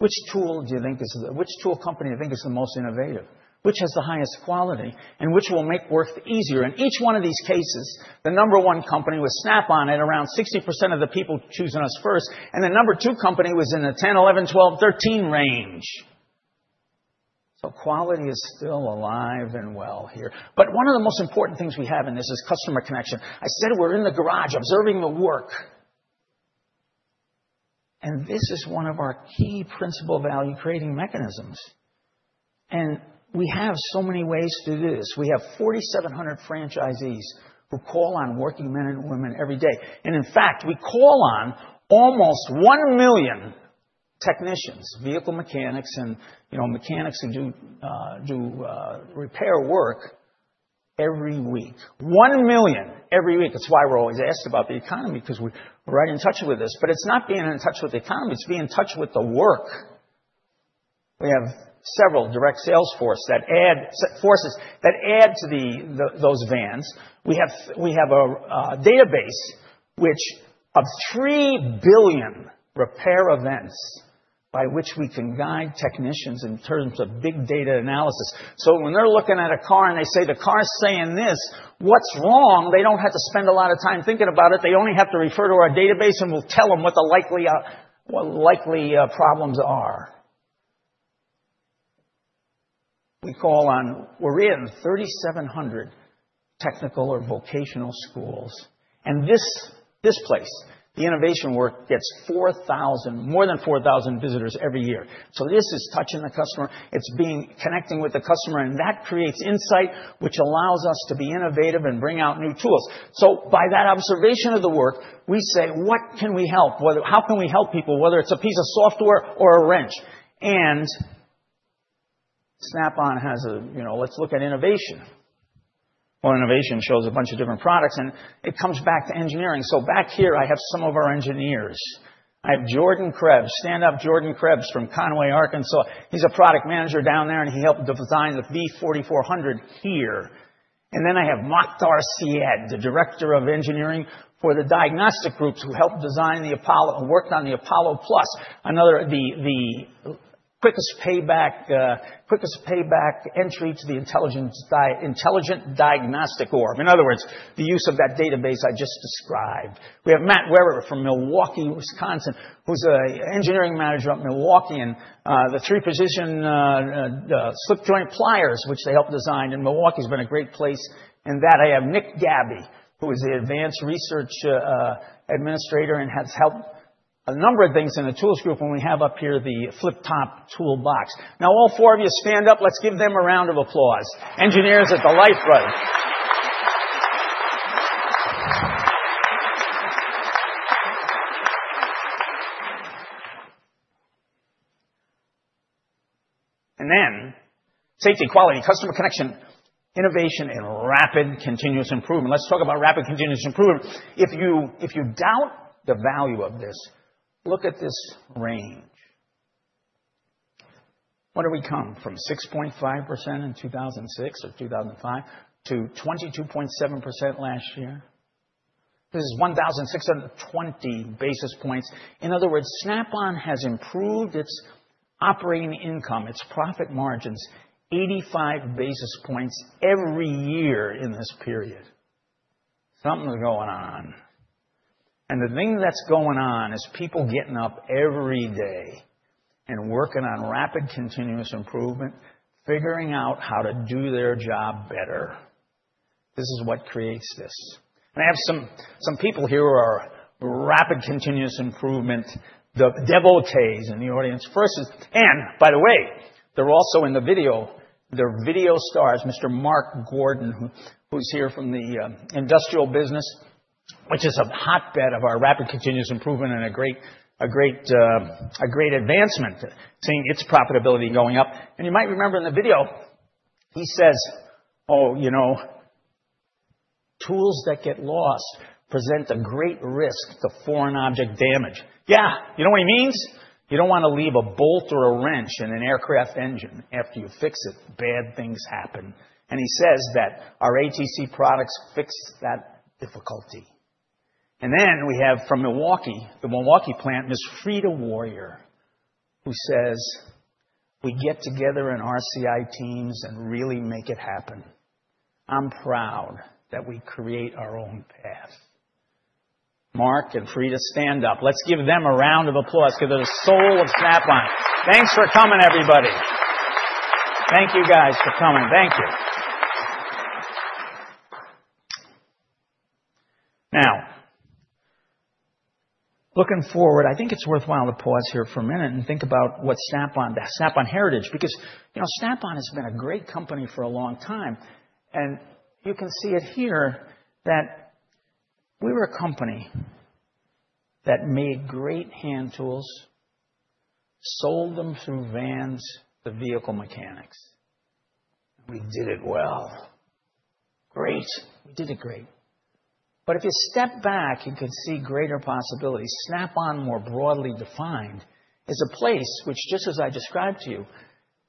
Which tool do you think is the—which tool company do you think is the most innovative? Which has the highest quality? And which will make work easier? In each one of these cases, the number one company was Snap-on. At around 60% of the people choosing us first. And the number two company was in the 10-13% range. So quality is still alive and well here. But one of the most important things we have in this is customer connection. I said we're in the garage observing the work. And this is one of our key principal value-creating mechanisms. And we have so many ways to do this. We have 4,700 franchisees who call on working men and women every day. And in fact, we call on almost 1 million technicians, vehicle mechanics, and mechanics who do repair work every week. 1 million every week. It's why we're always asked about the economy because we're right in touch with this. It is not being in touch with the economy. It is being in touch with the work. We have several direct sales forces that add to those vans. We have a database of 3 billion repair events by which we can guide technicians in terms of big data analysis. When they are looking at a car and they say the car is saying this, what is wrong, they do not have to spend a lot of time thinking about it. They only have to refer to our database, and we will tell them what the likely problems are. We call on—we are in 3,700 technical or vocational schools. This place, the innovation work, gets more than 4,000 visitors every year. This is touching the customer. It is connecting with the customer. That creates insight, which allows us to be innovative and bring out new tools. By that observation of the work, we say, "What can we help? How can we help people, whether it's a piece of software or a wrench?" Snap-on has a—let's look at innovation. Innovation shows a bunch of different products, and it comes back to engineering. Back here, I have some of our engineers. I have Jordan Krebs. Stand up, Jordan Krebs from Conway, Arkansas. He's a product manager down there, and he helped design the V4400 here. I have Maktar Syed, the director of engineering for the diagnostic groups who helped design the Apollo and worked on the Apollo Plus, the quickest payback entry to the Intelligent Diagnostic Orb. In other words, the use of that database I just described. We have Matt Werber from Milwaukee, Wisconsin, who's an engineering manager at Milwaukee and the three-position slip joint pliers, which they helped design. Milwaukee has been a great place in that. I have Nick Gabby, who is the advanced research administrator and has helped a number of things in the tools group when we have up here the flip-top toolbox. Now, all four of you, stand up. Let's give them a round of applause. Engineers at the light road. Safety, quality, customer connection, innovation, and rapid continuous improvement. Let's talk about rapid continuous improvement. If you doubt the value of this, look at this range. Where do we come from? 6.5% in 2006 or 2005 to 22.7% last year? This is 1,620 basis points. In other words, Snap-on has improved its operating income, its profit margins, 85 basis points every year in this period. Something's going on. The thing that's going on is people getting up every day and working on rapid continuous improvement, figuring out how to do their job better. This is what creates this. I have some people here who are rapid continuous improvement devotees in the audience. By the way, they're also in the video. They're video stars, Mr. Mark Gordon, who's here from the industrial business, which is a hotbed of our rapid continuous improvement and a great advancement, seeing its profitability going up. You might remember in the video, he says, "Oh, you know, tools that get lost present a great risk to foreign object damage." Yeah. You know what he means? You don't want to leave a bolt or a wrench in an aircraft engine after you fix it. Bad things happen. He says that our ATC products fix that difficulty. And then we have from Milwaukee, the Milwaukee plant, Ms. Frieda Warrior, who says, "We get together in our CI teams and really make it happen. I'm proud that we create our own path." Mark and Frieda, stand up. Let's give them a round of applause because they're the soul of Snap-on. Thanks for coming, everybody. Thank you, guys, for coming. Thank you. Now, looking forward, I think it's worthwhile to pause here for a minute and think about what Snap-on heritage is because Snap-on has been a great company for a long time. You can see it here that we were a company that made great hand tools, sold them through vans, the vehicle mechanics. We did it well. Great. We did it great. If you step back, you can see greater possibilities. Snap-on, more broadly defined, is a place which, just as I described to you,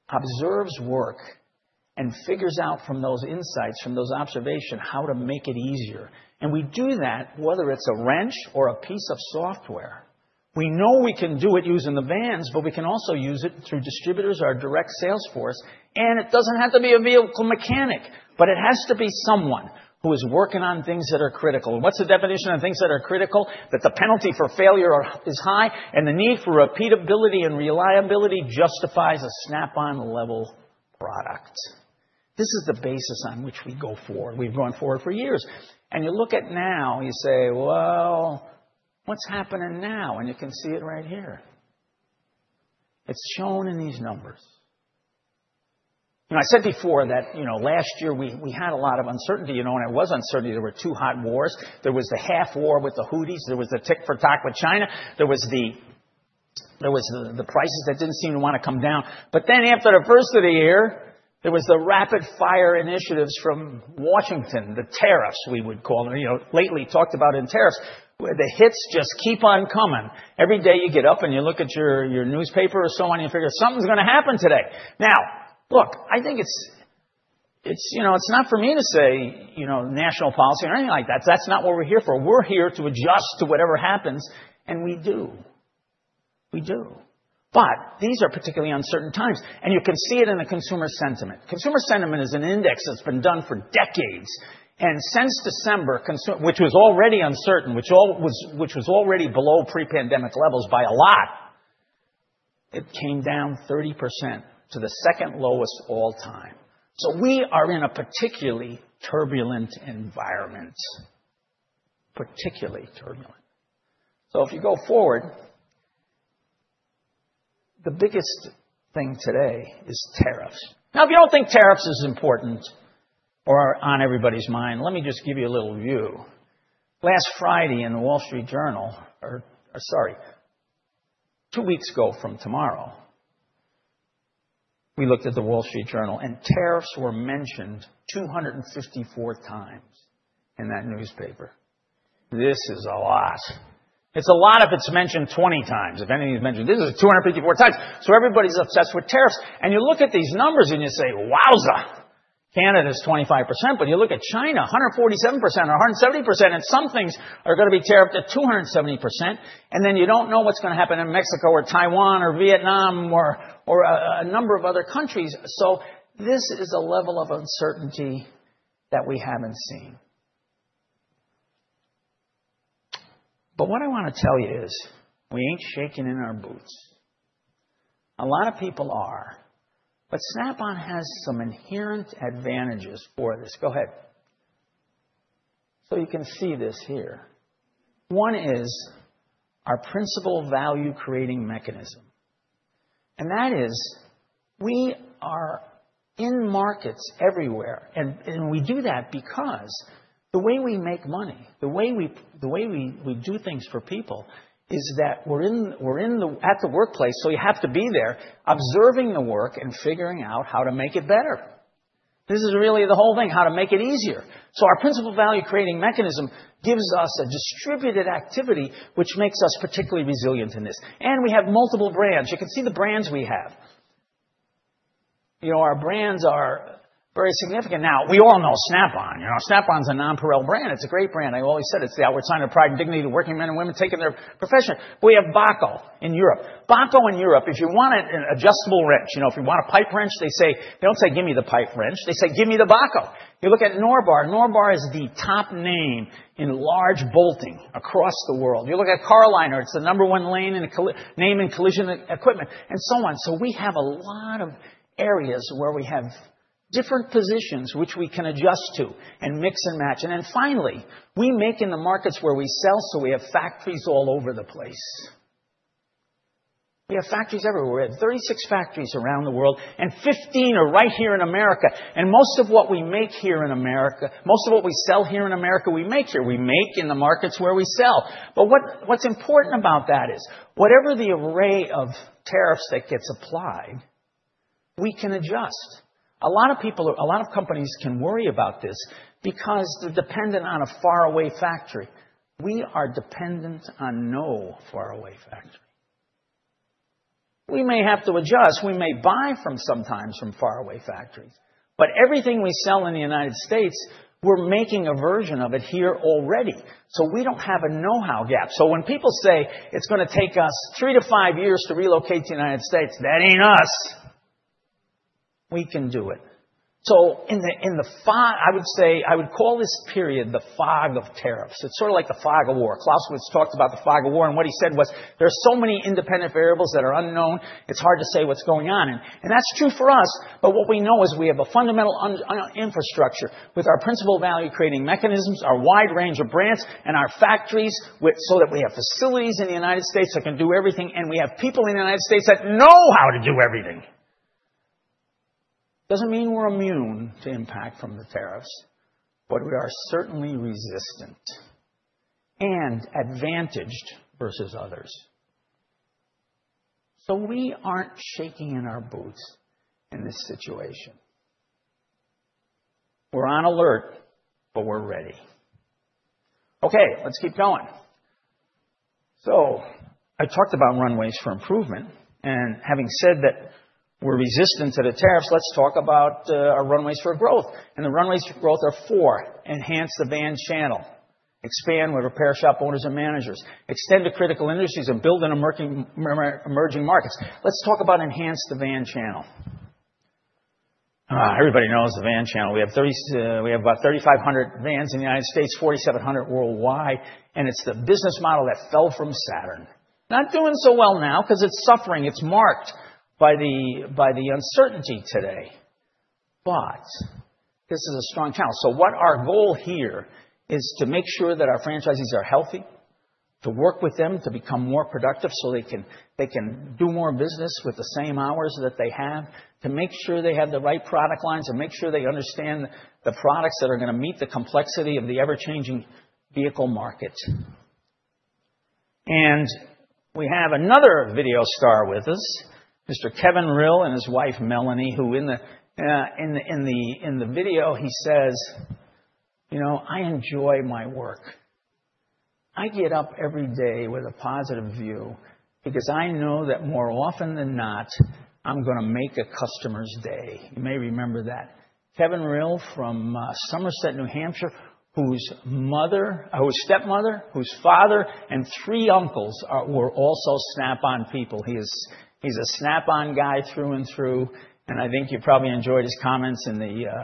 observes work and figures out from those insights, from those observations, how to make it easier. We do that, whether it's a wrench or a piece of software. We know we can do it using the vans, but we can also use it through distributors, our direct sales force. It doesn't have to be a vehicle mechanic, but it has to be someone who is working on things that are critical. What's the definition of things that are critical? That the penalty for failure is high and the need for repeatability and reliability justifies a Snap-on-level product. This is the basis on which we go forward. We've gone forward for years. You look at now, you say, "Well, what's happening now?" You can see it right here. It's shown in these numbers. I said before that last year we had a lot of uncertainty. And it was uncertainty. There were two hot wars. There was the half war with the Houthis. There was the tick-for-tock with China. There were the prices that did not seem to want to come down. But then after the first of the year, there was the rapid-fire initiatives from Washington, the tariffs, we would call them, lately talked about in tariffs. The hits just keep on coming. Every day you get up and you look at your newspaper or so on, you figure something is going to happen today. Now, look, I think it is not for me to say national policy or anything like that. That is not what we are here for. We are here to adjust to whatever happens. And we do. We do. But these are particularly uncertain times. And you can see it in the consumer sentiment. Consumer sentiment is an index that's been done for decades. Since December, which was already uncertain, which was already below pre-pandemic levels by a lot, it came down 30% to the second lowest all time. We are in a particularly turbulent environment. Particularly turbulent. If you go forward, the biggest thing today is tariffs. Now, if you don't think tariffs are important or are on everybody's mind, let me just give you a little view. Last Friday in The Wall Street Journal, sorry, two weeks ago from tomorrow, we looked at The Wall Street Journal, and tariffs were mentioned 254 times in that newspaper. This is a lot. It's a lot if it's mentioned 20 times, if anything's mentioned. This is 254 times. Everybody's obsessed with tariffs. You look at these numbers and you say, "Wowza." Canada's 25%, but you look at China, 147% or 170%, and some things are going to be tariffed at 270%. You do not know what is going to happen in Mexico or Taiwan or Vietnam or a number of other countries. This is a level of uncertainty that we have not seen. What I want to tell you is we ain't shaking in our boots. A lot of people are. Snap-on has some inherent advantages for this. Go ahead. You can see this here. One is our principal value-creating mechanism. That is we are in markets everywhere. We do that because the way we make money, the way we do things for people, is that we're at the workplace, so you have to be there observing the work and figuring out how to make it better. This is really the whole thing, how to make it easier. Our principal value-creating mechanism gives us a distributed activity, which makes us particularly resilient in this. We have multiple brands. You can see the brands we have. Our brands are very significant. Now, we all know Snap-on. Snap-on's a nonpareil brand. It's a great brand. I've always said it's the Albert sign of pride and dignity to working men and women taking their profession. We have Bahco in Europe. Bahco in Europe, if you want an adjustable wrench, if you want a pipe wrench, they say they don't say, "Give me the pipe wrench." They say, "Give me the Bahco." You look at Norbar. Norbar is the top name in large bolting across the world. You look at Car-O-Liner. It's the number one name in collision equipment and so on. We have a lot of areas where we have different positions which we can adjust to and mix and match. Finally, we make in the markets where we sell, so we have factories all over the place. We have factories everywhere. We have 36 factories around the world, and 15 are right here in America. Most of what we make here in America, most of what we sell here in America, we make here. We make in the markets where we sell. What's important about that is whatever the array of tariffs that gets applied, we can adjust. A lot of people, a lot of companies can worry about this because they're dependent on a faraway factory. We are dependent on no faraway factory. We may have to adjust. We may buy sometimes from faraway factories. Everything we sell in the United States, we're making a version of it here already. We don't have a know-how gap. When people say it's going to take us three to five years to relocate to the United States, that ain't us. We can do it. In the fog, I would say I would call this period the fog of tariffs. It's sort of like the fog of war. Klaus Schwartz talked about the fog of war, and what he said was, "There are so many independent variables that are unknown, it's hard to say what's going on." That is true for us. What we know is we have a fundamental infrastructure with our principal value-creating mechanisms, our wide range of brands, and our factories so that we have facilities in the United States that can do everything, and we have people in the United States that know how to do everything. That does not mean we are immune to impact from the tariffs, but we are certainly resistant and advantaged versus others. We are not shaking in our boots in this situation. We are on alert, but we are ready. Okay. Let's keep going. I talked about runways for improvement. Having said that we are resistant to the tariffs, let's talk about our runways for growth. The runways for growth are four: enhance the van channel, expand with repair shop owners and managers, extend to critical industries, and build in emerging markets. Let's talk about enhance the van channel. Everybody knows the van channel. We have about 3,500 vans in the United States, 4,700 worldwide. It's the business model that fell from Saturn. Not doing so well now because it's suffering. It's marked by the uncertainty today. This is a strong channel. Our goal here is to make sure that our franchisees are healthy, to work with them to become more productive so they can do more business with the same hours that they have, to make sure they have the right product lines, and make sure they understand the products that are going to meet the complexity of the ever-changing vehicle market. We have another video star with us, Mr. Kevin Rill and his wife, Melanie, who in the video, he says, "I enjoy my work. I get up every day with a positive view because I know that more often than not, I'm going to make a customer's day." You may remember that. Kevin Rill from Somerset, New Hampshire, whose stepmother, whose father, and three uncles were also Snap-on people. He's a Snap-on guy through and through. I think you probably enjoyed his comments in the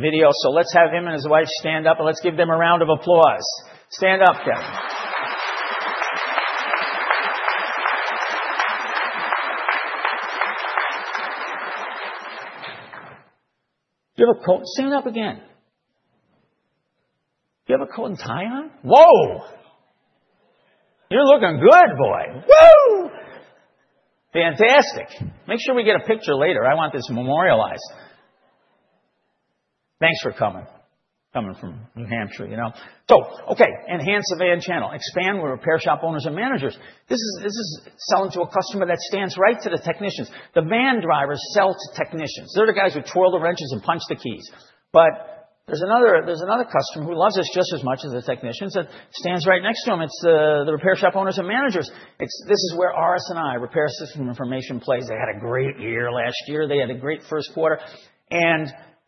video. Let's have him and his wife stand up, and let's give them a round of applause. Stand up, Kevin. Do you have a coat? Stand up again. Do you have a coat and tie on? Whoa. You're looking good, boy. Whoo. Fantastic. Make sure we get a picture later. I want this memorialized. Thanks for coming from New Hampshire. Okay. Enhance the van channel. Expand with repair shop owners and managers. This is selling to a customer that stands right to the technicians. The van drivers sell to technicians. They're the guys who twirl the wrenches and punch the keys. There is another customer who loves us just as much as the technicians and stands right next to them. It's the repair shop owners and managers. This is where RS&I, Repair System Information, plays. They had a great year last year. They had a great first quarter.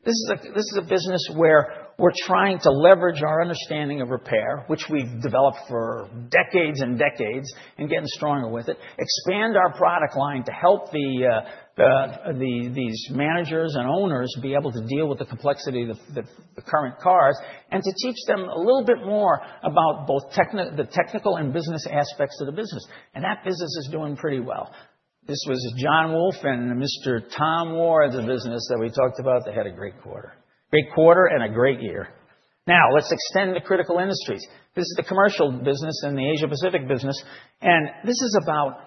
This is a business where we're trying to leverage our understanding of repair, which we've developed for decades and decades and getting stronger with it, expand our product line to help these managers and owners be able to deal with the complexity of the current cars and to teach them a little bit more about both the technical and business aspects of the business. That business is doing pretty well. This was John Wolf and Mr. Tom Ward's business that we talked about. They had a great quarter. Great quarter and a great year. Now, let's extend to critical industries. This is the commercial business and the Asia-Pacific business. This is about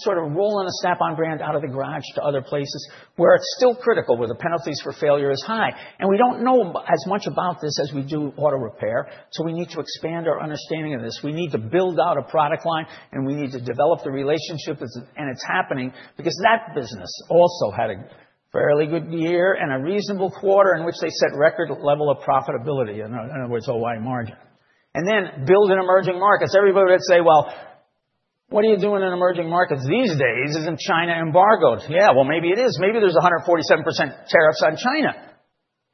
sort of rolling a Snap-on brand out of the garage to other places where it's still critical where the penalties for failure are high. We do not know as much about this as we do auto repair, so we need to expand our understanding of this. We need to build out a product line, and we need to develop the relationship, and it is happening because that business also had a fairly good year and a reasonable quarter in which they set record level of profitability, in other words, OI margin. Then build in emerging markets. Everybody would say, "What are you doing in emerging markets these days? Isn't China embargoed?" Yeah, maybe it is. Maybe there are 147% tariffs on China.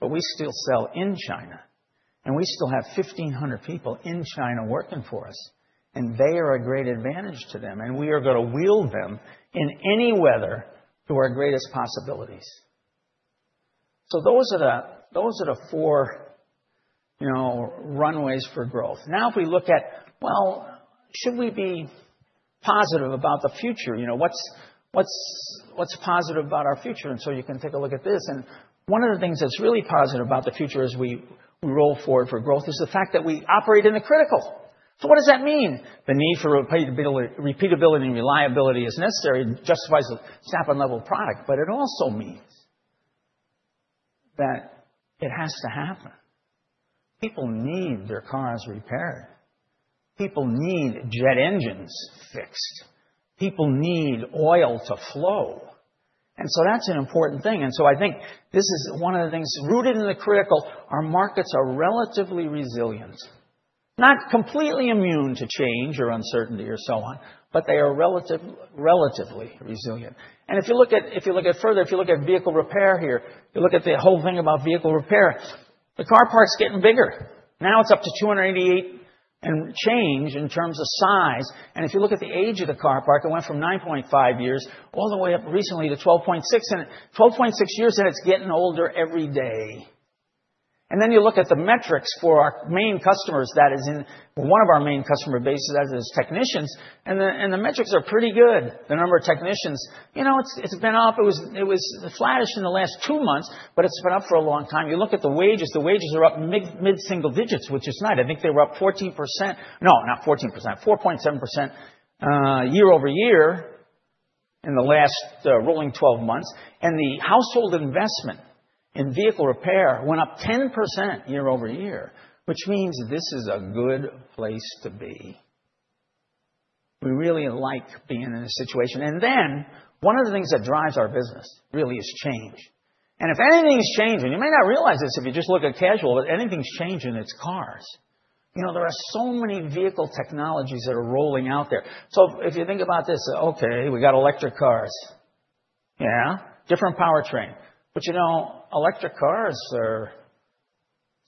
We still sell in China, and we still have 1,500 people in China working for us, and they are a great advantage to them. We are going to wield them in any weather to our greatest possibilities. Those are the four runways for growth. Now, if we look at, well, should we be positive about the future? What's positive about our future? You can take a look at this. One of the things that's really positive about the future as we roll forward for growth is the fact that we operate in the critical. What does that mean? The need for repeatability and reliability is necessary and justifies a Snap-on-level product. It also means that it has to happen. People need their cars repaired. People need jet engines fixed. People need oil to flow. That's an important thing. I think this is one of the things rooted in the critical. Our markets are relatively resilient, not completely immune to change or uncertainty or so on, but they are relatively resilient. If you look further, if you look at vehicle repair here, you look at the whole thing about vehicle repair, the car park's getting bigger. Now it's up to 288 and change in terms of size. If you look at the age of the car park, it went from 9.5 years all the way up recently to 12.6. Twelve point six years and it's getting older every day. You look at the metrics for our main customers, that is, one of our main customer bases, that is, technicians. The metrics are pretty good. The number of technicians, it's been up. It was flattish in the last two months, but it's been up for a long time. You look at the wages. The wages are up mid-single digits, which is nice. I think they were up 14%. No, not 14%. 4.7% year over year in the last rolling 12 months. The household investment in vehicle repair went up 10% year over year, which means this is a good place to be. We really like being in this situation. One of the things that drives our business really is change. If anything's changing, you may not realize this if you just look at casual, but anything's changing, it's cars. There are so many vehicle technologies that are rolling out there. If you think about this, okay, we got electric cars. Yeah. Different powertrain. Electric cars are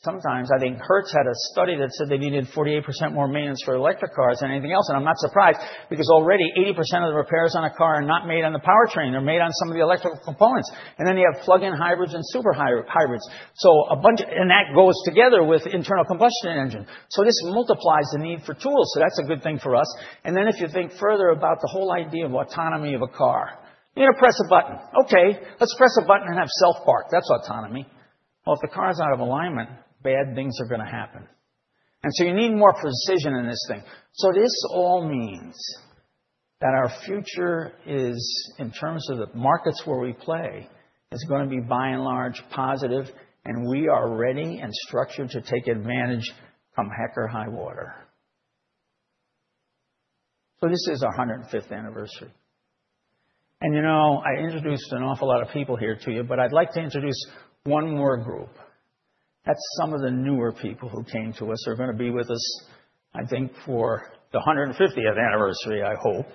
sometimes, I think, Hertz had a study that said they needed 48% more maintenance for electric cars than anything else. I'm not surprised because already 80% of the repairs on a car are not made on the powertrain. They're made on some of the electrical components. You have plug-in hybrids and super hybrids. That goes together with internal combustion engine. This multiplies the need for tools. That is a good thing for us. If you think further about the whole idea of autonomy of a car, you are going to press a button. Okay. Press a button and have self-park. That is autonomy. If the car is out of alignment, bad things are going to happen. You need more precision in this thing. This all means that our future, in terms of the markets where we play, is going to be by and large positive, and we are ready and structured to take advantage come heck or high water. This is our 105th anniversary. I introduced an awful lot of people here to you, but I would like to introduce one more group. That's some of the newer people who came to us. They're going to be with us, I think, for the 105th anniversary, I hope.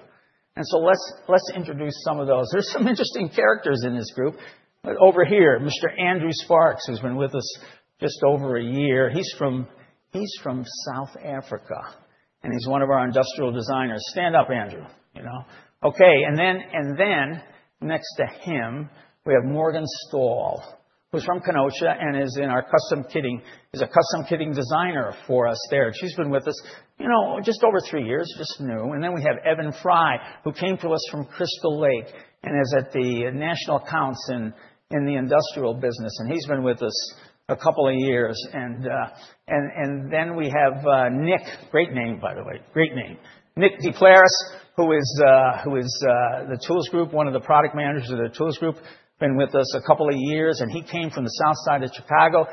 Let's introduce some of those. There's some interesting characters in this group. Over here, Mr. Andrew Sparks, who's been with us just over a year. He's from South Africa, and he's one of our industrial designers. Stand up, Andrew. Okay. Next to him, we have Morgan Stahl, who's from Kenosha and is in our custom kitting. She's a custom kitting designer for us there, and she's been with us just over three years, just new. Then we have Evan Fry, who came to us from Crystal Lake and is at the National Counts in the industrial business. He's been with us a couple of years. Then we have Nick, great name, by the way. Great name. Nick-D. Claris, who is the Tools Group, one of the product managers of the Tools Group, been with us a couple of years. He came from the South Side of Chicago.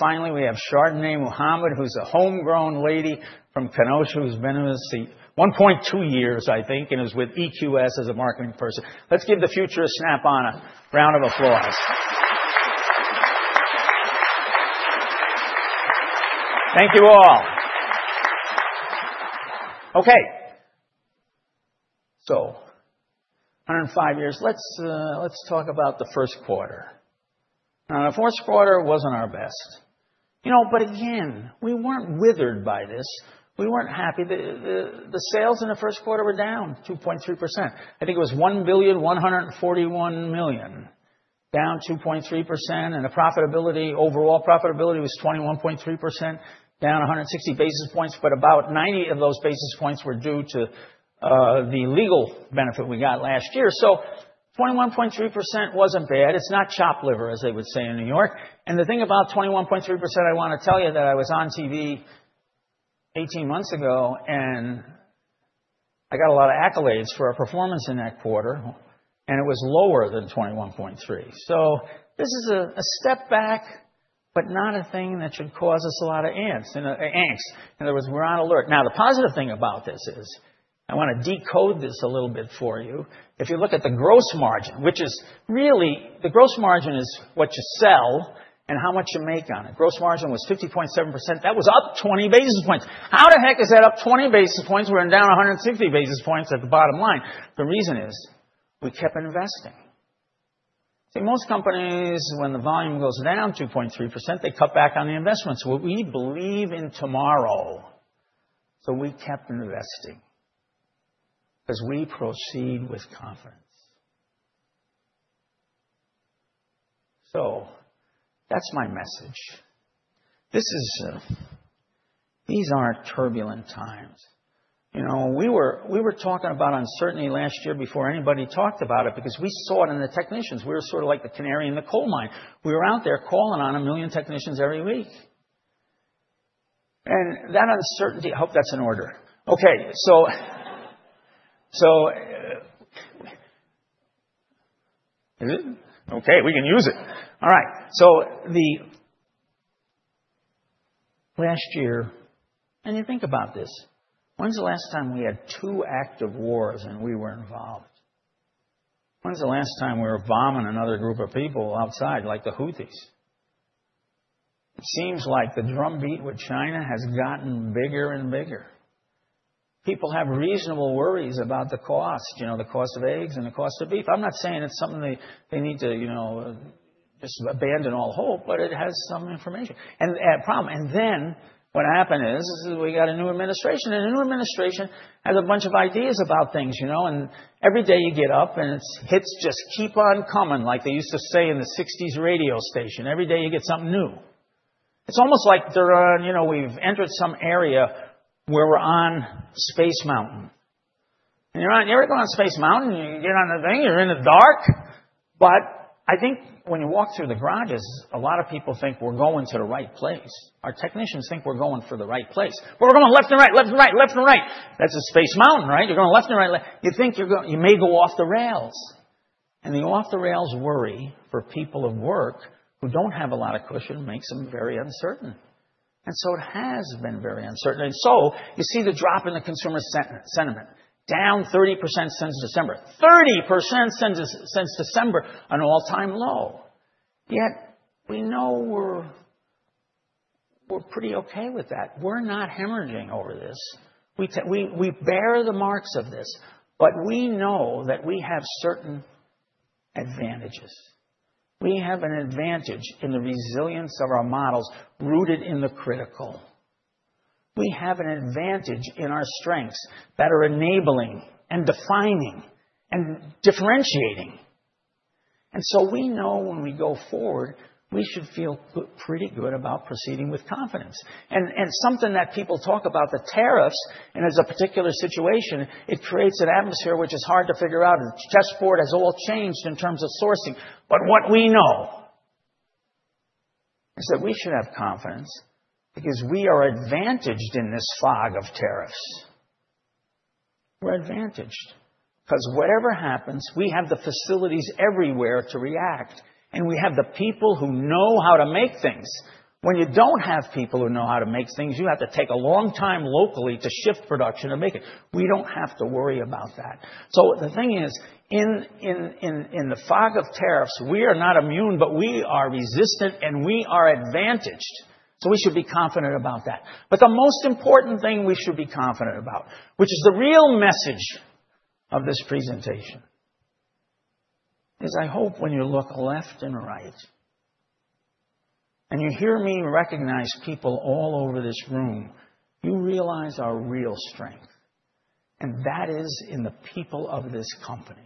Finally, we have Shardane Muhammad, who's a homegrown lady from Kenosha, who's been with us 1.2 years, I think, and is with EQS as a marketing person. Let's give the future of Snap-on a round of applause. Thank you all. Okay. 105 years. Let's talk about the first quarter. The fourth quarter was not our best. Again, we were not withered by this. We were not happy. The sales in the first quarter were down 2.3%. I think it was $1,141 million, down 2.3%. The profitability, overall profitability was 21.3%, down 160 basis points. About 90 of those basis points were due to the legal benefit we got last year. 21.3% was not bad. It's not chop liver, as they would say in New York. The thing about 21.3%—I want to tell you that I was on TV 18 months ago, and I got a lot of accolades for our performance in that quarter. It was lower than 21.3%. This is a step back, but not a thing that should cause us a lot of angst. In other words, we're on alert. The positive thing about this is I want to decode this a little bit for you. If you look at the gross margin, which is really the gross margin is what you sell and how much you make on it. Gross margin was 50.7%. That was up 20 basis points. How the heck is that up 20 basis points? We're down 160 basis points at the bottom line. The reason is we kept investing. See, most companies, when the volume goes down 2.3%, they cut back on the investments. We believe in tomorrow. We kept investing because we proceed with confidence. That is my message. These are turbulent times. We were talking about uncertainty last year before anybody talked about it because we saw it in the technicians. We were sort of like the canary in the coal mine. We were out there calling on a million technicians every week. That uncertainty, I hope that is in order. Okay. Okay. We can use it. All right. Last year, and you think about this. When is the last time we had two active wars and we were involved? When is the last time we were bombing another group of people outside like the Houthis? It seems like the drumbeat with China has gotten bigger and bigger. People have reasonable worries about the cost, the cost of eggs and the cost of beef. I'm not saying it's something they need to just abandon all hope, but it has some information. The problem. What happened is we got a new administration. The new administration has a bunch of ideas about things. Every day you get up and the hits just keep on coming, like they used to say in the 1960s radio station. Every day you get something new. It's almost like we've entered some area where we're on Space Mountain. You're on, you're going on Space Mountain. You get on the thing. You're in the dark. I think when you walk through the garages, a lot of people think we're going to the right place. Our technicians think we're going for the right place. We're going left and right, left and right, left and right. That's a Space Mountain, right? You're going left and right. You think you may go off the rails. The off-the-rails worry for people at work who do not have a lot of cushion makes them very uncertain. It has been very uncertain. You see the drop in the consumer sentiment, down 30% since December. 30% since December, an all-time low. Yet we know we're pretty okay with that. We're not hemorrhaging over this. We bear the marks of this. We know that we have certain advantages. We have an advantage in the resilience of our models rooted in the critical. We have an advantage in our strengths that are enabling and defining and differentiating. We know when we go forward, we should feel pretty good about proceeding with confidence. Something that people talk about, the tariffs and as a particular situation, it creates an atmosphere which is hard to figure out. The chessboard has all changed in terms of sourcing. What we know is that we should have confidence because we are advantaged in this fog of tariffs. We're advantaged because whatever happens, we have the facilities everywhere to react. We have the people who know how to make things. When you do not have people who know how to make things, you have to take a long time locally to shift production to make it. We do not have to worry about that. In the fog of tariffs, we are not immune, but we are resistant and we are advantaged. We should be confident about that. The most important thing we should be confident about, which is the real message of this presentation, is I hope when you look left and right and you hear me recognize people all over this room, you realize our real strength. That is in the people of this company.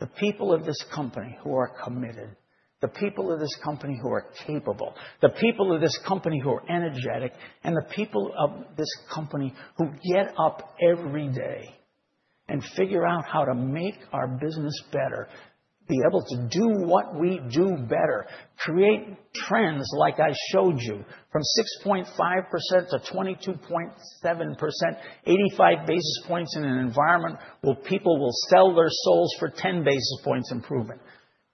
The people of this company who are committed, the people of this company who are capable, the people of this company who are energetic, and the people of this company who get up every day and figure out how to make our business better, be able to do what we do better, create trends like I showed you from 6.5% to 22.7%, 85 basis points in an environment where people will sell their souls for 10 basis points improvement.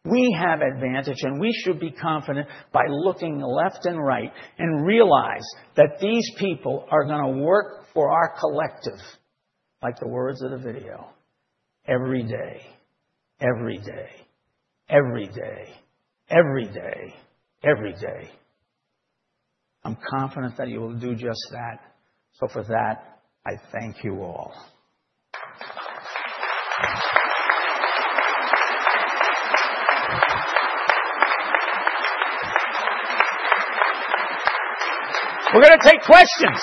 We have advantage, and we should be confident by looking left and right and realize that these people are going to work for our collective, like the words of the video, every day, every day, every day, every day, every day. I'm confident that you will do just that. For that, I thank you all. We're going to take questions.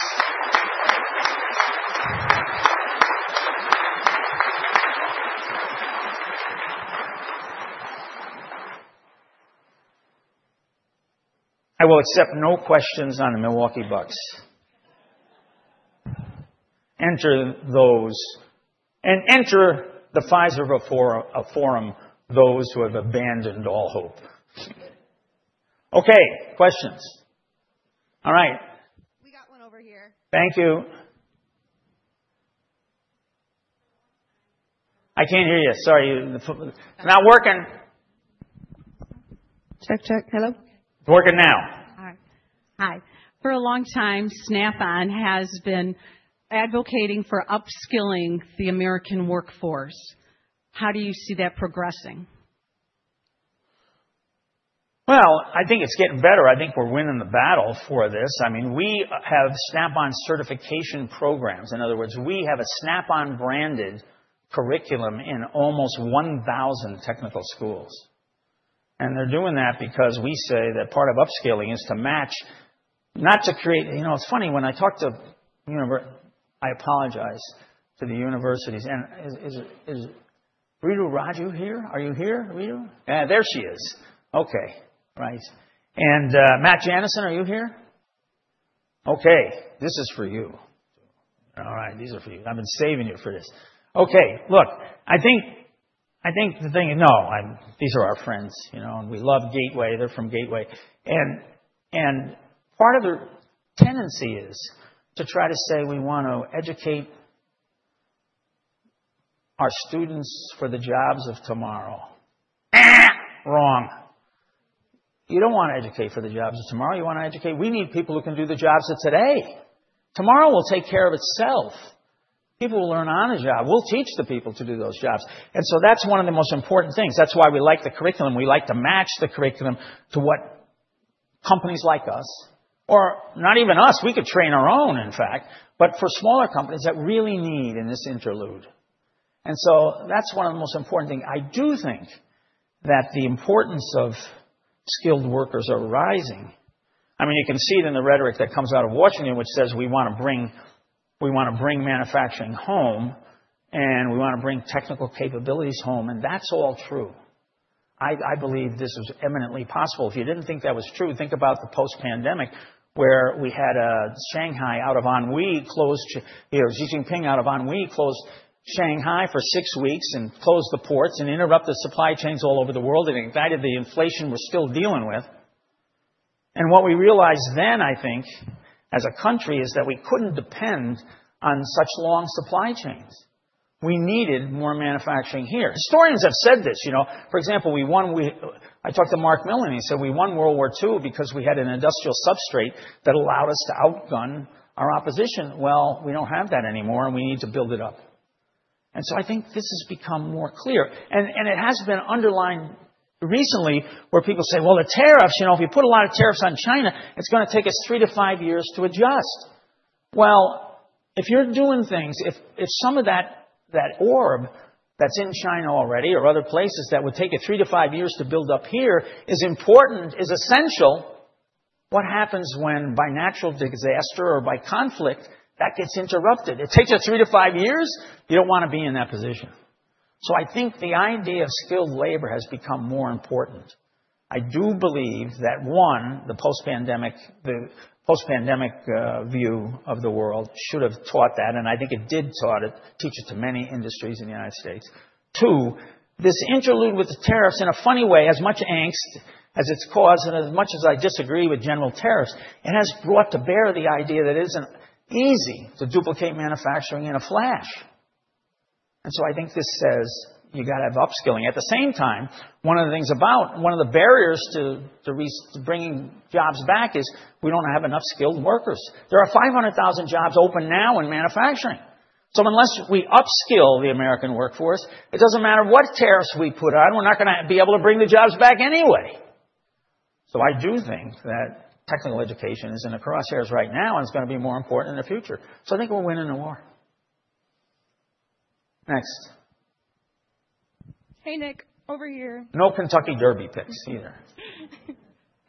I will accept no questions on the Milwaukee Bucks. Enter those. And enter the Fiserv Forum, those who have abandoned all hope. Okay. Questions. All right. We got one over here. Thank you. I can't hear you. Sorry. Not working. Check, check. Hello? It's working now. All right. Hi. For a long time, Snap-on has been advocating for upskilling the American workforce. How do you see that progressing? I think it's getting better. I think we're winning the battle for this. I mean, we have Snap-on certification programs. In other words, we have a Snap-on branded curriculum in almost 1,000 technical schools. They're doing that because we say that part of upskilling is to match, not to create. It's funny when I talk to, I apologize to the universities. Is Ritu Raju here? Are you here, Ritu? Yeah. There she is. Okay. Right. And Matt-Janison, are you here? Okay. This is for you. All right. These are for you. I've been saving you for this. Okay. Look, I think the thing is, no, these are our friends. We love Gateway. They're from Gateway. Part of the tendency is to try to say we want to educate our students for the jobs of tomorrow. Wrong. You don't want to educate for the jobs of tomorrow. You want to educate. We need people who can do the jobs of today. Tomorrow will take care of itself. People will learn on a job. We'll teach the people to do those jobs. That's one of the most important things. That's why we like the curriculum. We like to match the curriculum to what companies like us, or not even us. We could train our own, in fact, but for smaller companies that really need in this interlude. That's one of the most important things. I do think that the importance of skilled workers is rising. I mean, you can see it in the rhetoric that comes out of Washington, which says we want to bring manufacturing home, and we want to bring technical capabilities home. That's all true. I believe this was eminently possible. If you didn't think that was true, think about the post-pandemic where we had Shanghai out of ennui, closed Xi Jinping out of ennui, closed Shanghai for six weeks and closed the ports and interrupted supply chains all over the world. It invited the inflation we're still dealing with. What we realized then, I think, as a country is that we couldn't depend on such long supply chains. We needed more manufacturing here. Historians have said this. For example, I talked to Mark Milley. He said, "We won World War II because we had an industrial substrate that allowed us to outgun our opposition." We don't have that anymore. We need to build it up. I think this has become more clear. It has been underlined recently where people say, "The tariffs, if we put a lot of tariffs on China, it's going to take us three to five years to adjust." If you're doing things, if some of that orb that's in China already or other places that would take you three to five years to build up here is important, is essential, what happens when by natural disaster or by conflict that gets interrupted? It takes you three to five years. You don't want to be in that position. I think the idea of skilled labor has become more important. I do believe that, one, the post-pandemic view of the world should have taught that. I think it did teach it to many industries in the United States. Two, this interlude with the tariffs in a funny way, as much angst as it's caused and as much as I disagree with general tariffs, it has brought to bear the idea that it isn't easy to duplicate manufacturing in a flash. I think this says you got to have upskilling. At the same time, one of the things about one of the barriers to bringing jobs back is we don't have enough skilled workers. There are 500,000 jobs open now in manufacturing. Unless we upskill the American workforce, it doesn't matter what tariffs we put on, we're not going to be able to bring the jobs back anyway. I do think that technical education is in the crosshairs right now and it's going to be more important in the future. I think we're winning the war. Next. Hey, Nick, over here. No Kentucky Derby picks either.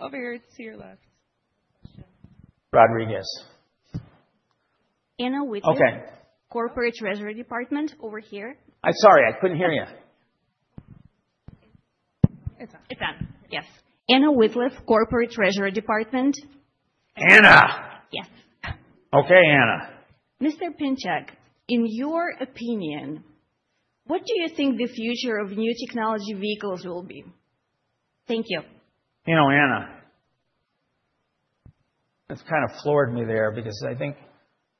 Over here to your left. Rodriguez. Anna Whitley. Okay. Corporate Treasury Department over here. Sorry, I couldn't hear you. It's on. It's on. Yes. Anna Whitley, Corporate Treasury Department. Anna. Yes. Okay, Anna. Mr. Pinchuk, in your opinion, what do you think the future of new technology vehicles will be? Thank you. You know, Anna, that's kind of floored me there because I think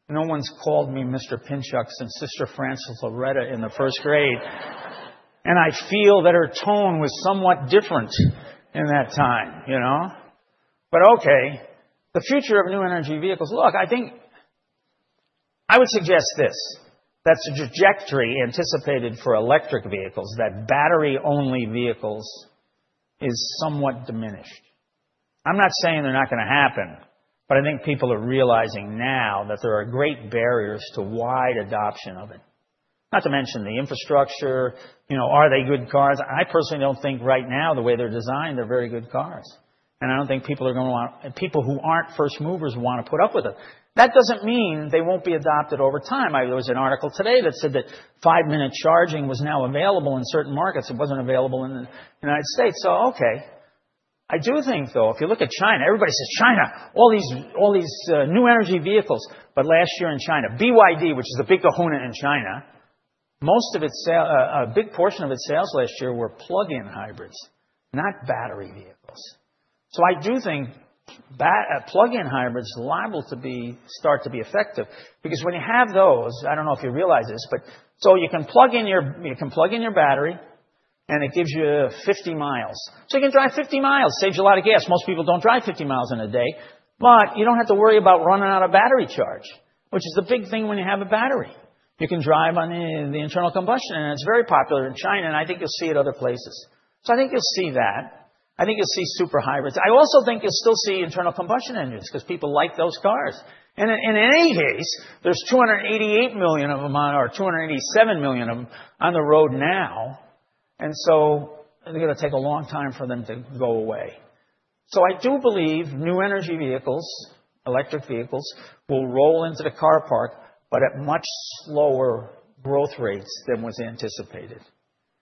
no one's called me Mr. Pinchuk since Sister Frances Loretta in the first grade. I feel that her tone was somewhat different in that time. Okay, the future of new energy vehicles. Look, I would suggest this. That's a trajectory anticipated for electric vehicles that battery-only vehicles is somewhat diminished. I'm not saying they're not going to happen, but I think people are realizing now that there are great barriers to wide adoption of it. Not to mention the infrastructure. Are they good cars? I personally don't think right now the way they're designed, they're very good cars. I don't think people are going to want people who aren't first movers want to put up with it. That doesn't mean they won't be adopted over time. There was an article today that said that five-minute charging was now available in certain markets. It was not available in the United States. Okay. I do think, though, if you look at China, everybody says, "China, all these new energy vehicles." Last year in China, BYD, which is a big kahuna in China, most of its big portion of its sales last year were plug-in hybrids, not battery vehicles. I do think plug-in hybrids are liable to start to be effective because when you have those, I do not know if you realize this, but you can plug in your battery and it gives you 50 mi. You can drive 50 mi, save you a lot of gas. Most people do not drive 50 mi in a day. You do not have to worry about running out of battery charge, which is the big thing when you have a battery. You can drive on the internal combustion. It is very popular in China. I think you will see it other places. I think you will see that. I think you will see super hybrids. I also think you will still see internal combustion engines because people like those cars. In any case, there are 288 million of them or 287 million of them on the road now. They are going to take a long time to go away. I do believe new energy vehicles, electric vehicles will roll into the car park, but at much slower growth rates than was anticipated.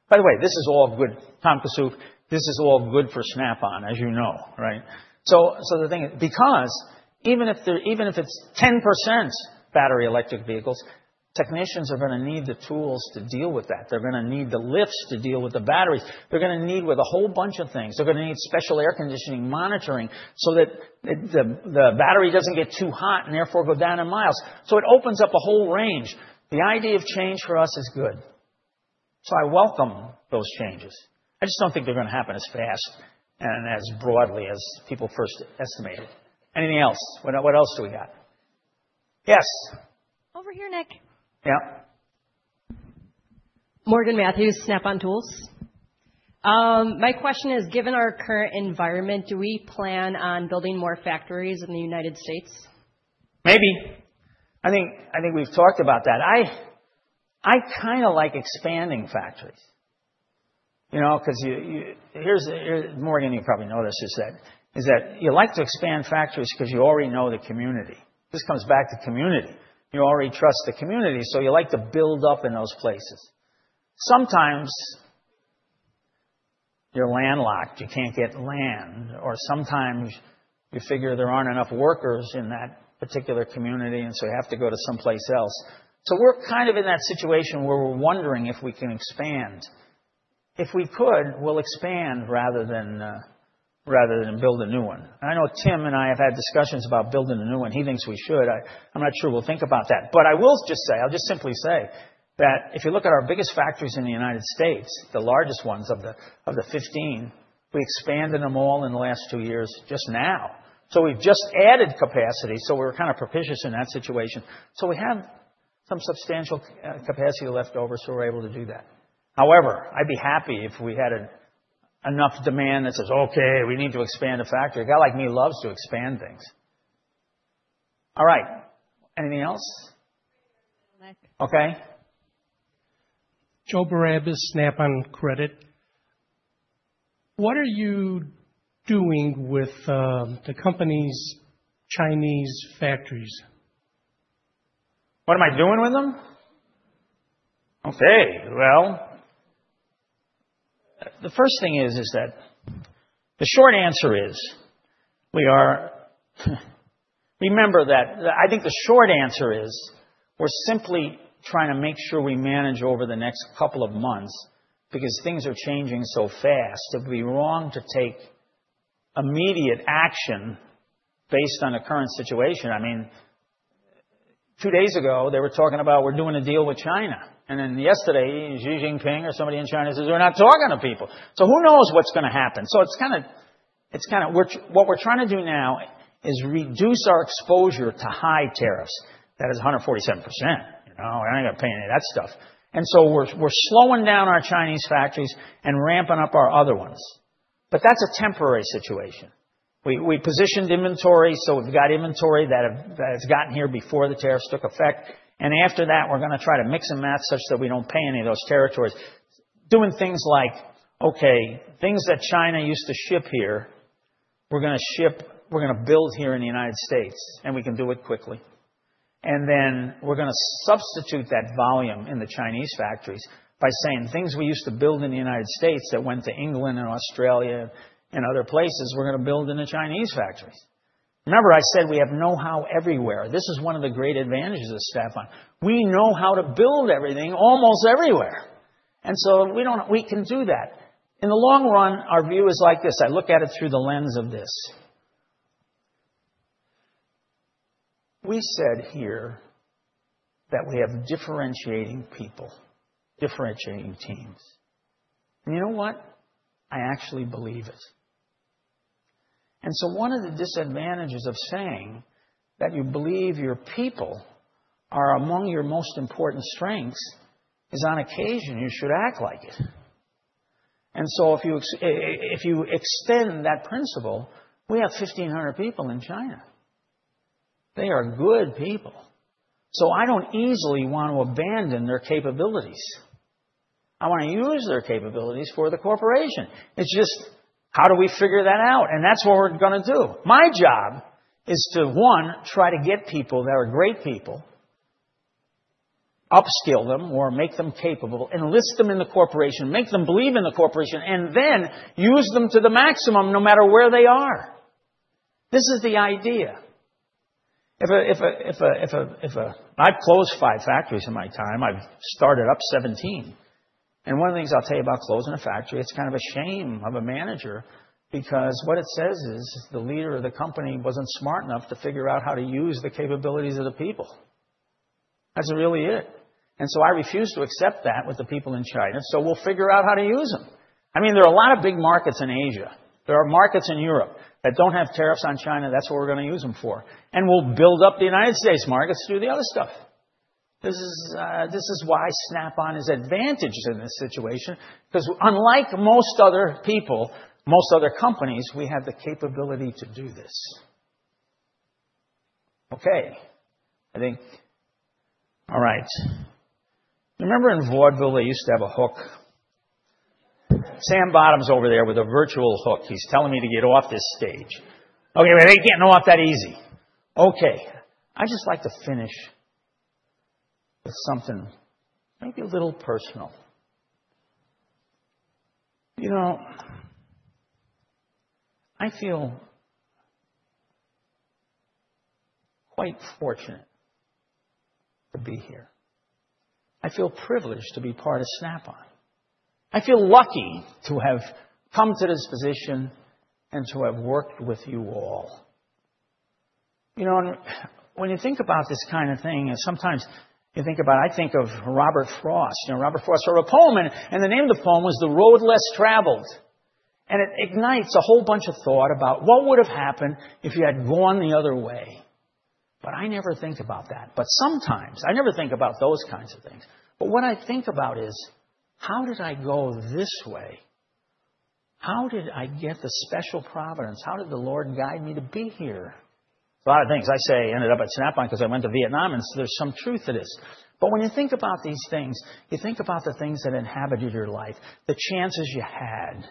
By the way, this is all good. Tom Kassouf, this is all good for Snap-on, as you know. Right? The thing is, because even if it's 10% battery electric vehicles, technicians are going to need the tools to deal with that. They're going to need the lifts to deal with the batteries. They're going to need a whole bunch of things. They're going to need special air conditioning monitoring so that the battery doesn't get too hot and therefore go down in miles. It opens up a whole range. The idea of change for us is good. I welcome those changes. I just don't think they're going to happen as fast and as broadly as people first estimated. Anything else? What else do we got? Yes. Over here, Nick. Yeah. My question is, given our current environment, do we plan on building more factories in the United States? Maybe. I think we've talked about that. I kind of like expanding factories because Morgan, you probably noticed this, is that you like to expand factories because you already know the community. This comes back to community. You already trust the community, so you like to build up in those places. Sometimes you're landlocked. You can't get land. Or sometimes you figure there aren't enough workers in that particular community, and so you have to go to someplace else. We're kind of in that situation where we're wondering if we can expand. If we could, we'll expand rather than build a new one. I know Tim and I have had discussions about building a new one. He thinks we should. I'm not sure. We'll think about that. I will just say, I'll just simply say that if you look at our biggest factories in the United States, the largest ones of the 15, we expanded them all in the last two years just now. We have just added capacity. We are kind of propitious in that situation. We have some substantial capacity left over, so we are able to do that. However, I'd be happy if we had enough demand that says, "Okay, we need to expand a factory." A guy like me loves to expand things. All right. Anything else? Nick. Okay. Joe Barabas, Snap-on Credit. What are you doing with the company's Chinese factories? What am I doing with them? Okay. The first thing is that the short answer is we are, remember that, I think the short answer is we're simply trying to make sure we manage over the next couple of months because things are changing so fast. It would be wrong to take immediate action based on the current situation. I mean, two days ago, they were talking about we're doing a deal with China. Yesterday, Xi Jinping or somebody in China says, "We're not talking to people." Who knows what's going to happen? It's kind of what we're trying to do now, reduce our exposure to high tariffs. That is 147%. We're not going to pay any of that stuff. We're slowing down our Chinese factories and ramping up our other ones. That's a temporary situation. We positioned inventory, so we've got inventory that has gotten here before the tariffs took effect. After that, we're going to try to mix and match such that we don't pay any of those tariffs. Doing things like, okay, things that China used to ship here, we're going to build here in the United States, and we can do it quickly. We're going to substitute that volume in the Chinese factories by saying things we used to build in the United States that went to England and Australia and other places, we're going to build in the Chinese factories. Remember, I said we have know-how everywhere. This is one of the great advantages of Snap-on. We know how to build everything almost everywhere. We can do that. In the long run, our view is like this. I look at it through the lens of this. We said here that we have differentiating people, differentiating teams. And you know what? I actually believe it. One of the disadvantages of saying that you believe your people are among your most important strengths is on occasion you should act like it. If you extend that principle, we have 1,500 people in China. They are good people. I do not easily want to abandon their capabilities. I want to use their capabilities for the corporation. It is just how do we figure that out? That is what we are going to do. My job is to, one, try to get people that are great people, upskill them or make them capable, enlist them in the corporation, make them believe in the corporation, and then use them to the maximum no matter where they are. This is the idea. I've closed five factories in my time. I've started up 17. One of the things I'll tell you about closing a factory, it's kind of a shame of a manager because what it says is the leader of the company wasn't smart enough to figure out how to use the capabilities of the people. That's really it. I refuse to accept that with the people in China. We'll figure out how to use them. I mean, there are a lot of big markets in Asia. There are markets in Europe that don't have tariffs on China. That's what we're going to use them for. We'll build up the United States markets to do the other stuff. This is why Snap-on is advantageous in this situation because unlike most other people, most other companies, we have the capability to do this. Okay. I think all right. Remember in Vaudeville, they used to have a hook. Sam Bottum over there with a virtual hook. He's telling me to get off this stage. Okay, but they're getting off that easy. Okay. I'd just like to finish with something maybe a little personal. I feel quite fortunate to be here. I feel privileged to be part of Snap-on. I feel lucky to have come to this position and to have worked with you all. When you think about this kind of thing, sometimes you think about I think of Robert Frost. Robert Frost wrote a poem, and the name of the poem was The Road Less Traveled. It ignites a whole bunch of thought about what would have happened if you had gone the other way. I never think about that. Sometimes I never think about those kinds of things. What I think about is, how did I go this way? How did I get the special providence? How did the Lord guide me to be here? A lot of things I say ended up at Snap-on because I went to Vietnam, and there's some truth to this. When you think about these things, you think about the things that inhabited your life, the chances you had.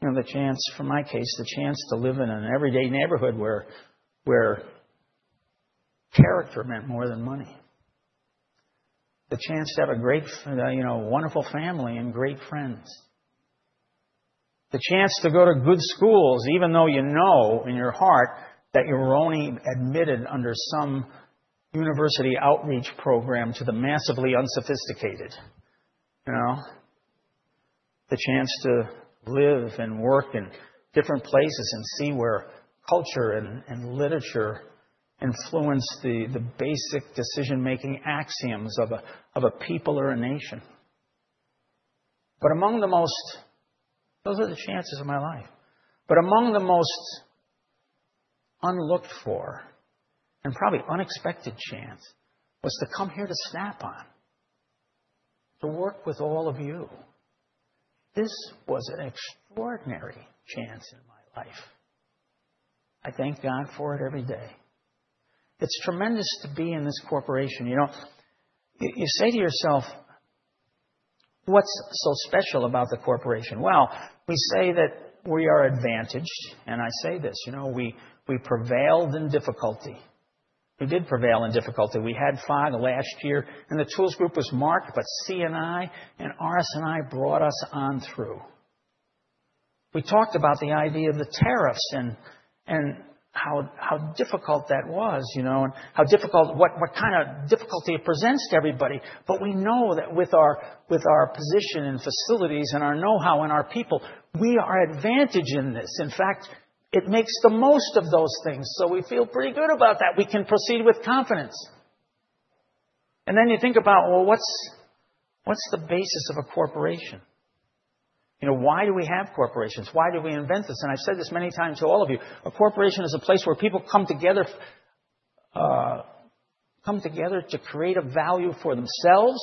The chance, for my case, the chance to live in an everyday neighborhood where character meant more than money. The chance to have a wonderful family and great friends. The chance to go to good schools, even though you know in your heart that you were only admitted under some university outreach program to the massively unsophisticated. The chance to live and work in different places and see where culture and literature influence the basic decision-making axioms of a people or a nation. Among the most unlooked for and probably unexpected chance was to come here to Snap-on, to work with all of you. This was an extraordinary chance in my life. I thank God for it every day. It's tremendous to be in this corporation. You say to yourself, what's so special about the corporation? We say that we are advantaged. I say this, we prevailed in difficulty. We did prevail in difficulty. We had fun last year. The tools group was Mark, but CNI and RSNI brought us on through. We talked about the idea of the tariffs and how difficult that was and what kind of difficulty it presents to everybody. We know that with our position and facilities and our know-how and our people, we are advantaged in this. In fact, it makes the most of those things. We feel pretty good about that. We can proceed with confidence. You think about, what's the basis of a corporation? Why do we have corporations? Why did we invent this? I've said this many times to all of you. A corporation is a place where people come together to create a value for themselves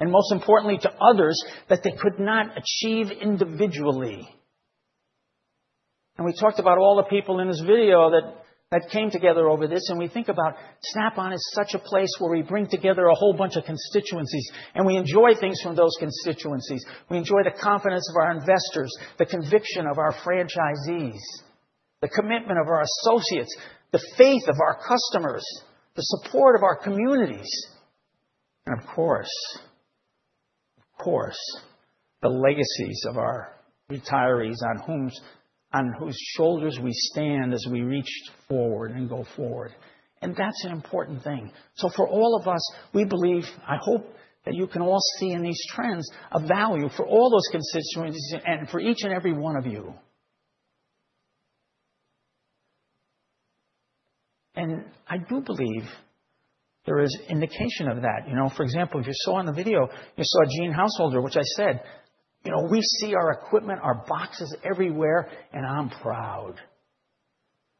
and, most importantly, to others that they could not achieve individually. We talked about all the people in this video that came together over this. We think about Snap-on as such a place where we bring together a whole bunch of constituencies. We enjoy things from those constituencies. We enjoy the confidence of our investors, the conviction of our franchisees, the commitment of our associates, the faith of our customers, the support of our communities. Of course, the legacies of our retirees on whose shoulders we stand as we reach forward and go forward. That's an important thing. For all of us, we believe, I hope that you can all see in these trends a value for all those constituencies and for each and every one of you. I do believe there is indication of that. For example, if you saw in the video, you saw Gene Householder, which I said, we see our equipment, our boxes everywhere, and I'm proud.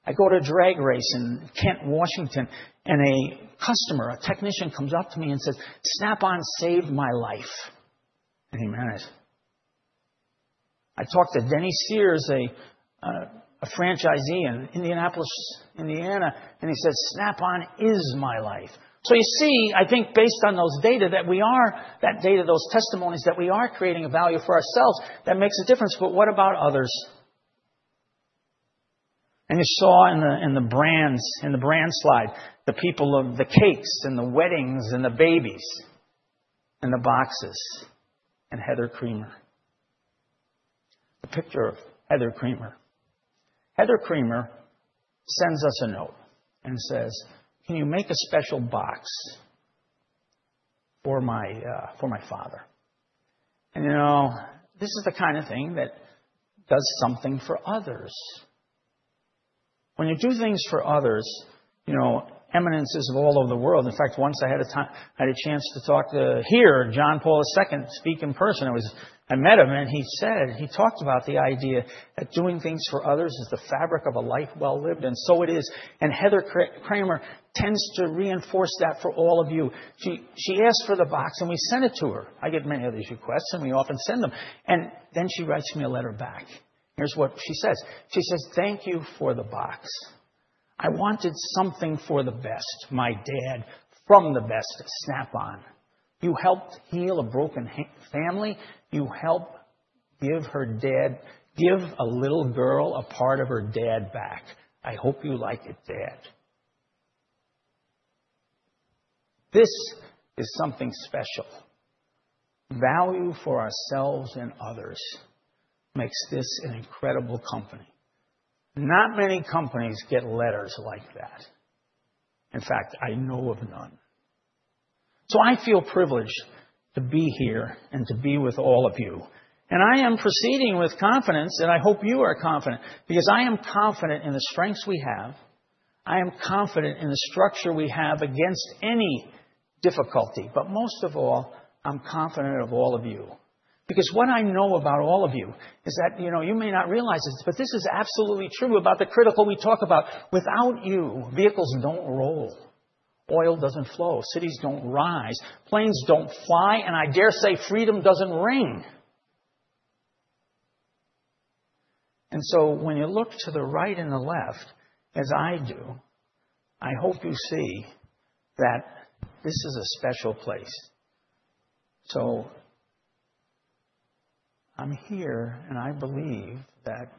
I go to a drag race in Kent, Washington, and a customer, a technician, comes up to me and says, "Snap-on saved my life." I think, man, I talked to Denny Sears, a franchisee in Indianapolis, Indiana, and he said, "Snap-on is my life." You see, I think based on those data, that data, those testimonies, that we are creating a value for ourselves that makes a difference. What about others? You saw in the brand slide the people of the cakes and the weddings and the babies and the boxes and Heather Kremer, the picture of Heather Kremer. Heather Kremer sends us a note and says, "Can you make a special box for my father?" This is the kind of thing that does something for others. When you do things for others, eminences of all over the world, in fact, once I had a chance to talk to, here, John Paul II, speak in person, I met him, and he talked about the idea that doing things for others is the fabric of a life well lived, and so it is. Heather Kremer tends to reinforce that for all of you. She asked for the box, and we sent it to her. I get many of these requests, and we often send them. Then she writes me a letter back. Here is what she says. She says, "Thank you for the box. I wanted something for the best, my dad, from the best Snap-on. You helped heal a broken family. You helped give a little girl a part of her dad back. I hope you like it, Dad." This is something special. Value for ourselves and others makes this an incredible company. Not many companies get letters like that. In fact, I know of none. I feel privileged to be here and to be with all of you. I am proceeding with confidence, and I hope you are confident because I am confident in the strengths we have. I am confident in the structure we have against any difficulty. Most of all, I'm confident of all of you because what I know about all of you is that you may not realize this, but this is absolutely true about the critical we talk about. Without you, vehicles don't roll, oil doesn't flow, cities don't rise, planes don't fly, and I dare say freedom doesn't ring. When you look to the right and the left, as I do, I hope you see that this is a special place. I'm here, and I believe that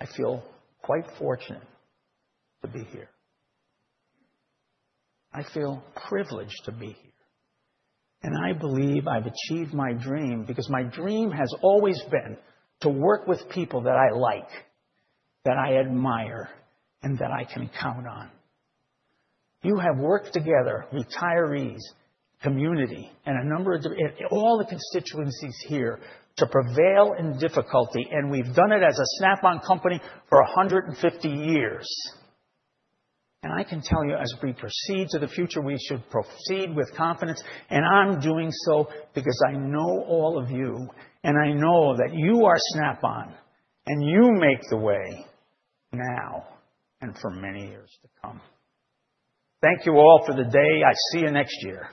I feel quite fortunate to be here. I feel privileged to be here. I believe I've achieved my dream because my dream has always been to work with people that I like, that I admire, and that I can count on. You have worked together, retirees, community, and all the constituencies here to prevail in difficulty. We've done it as a Snap-on company for 150 years. I can tell you, as we proceed to the future, we should proceed with confidence. I'm doing so because I know all of you, and I know that you are Snap-on, and you make the way now and for many years to come. Thank you all for the day. I see you next year.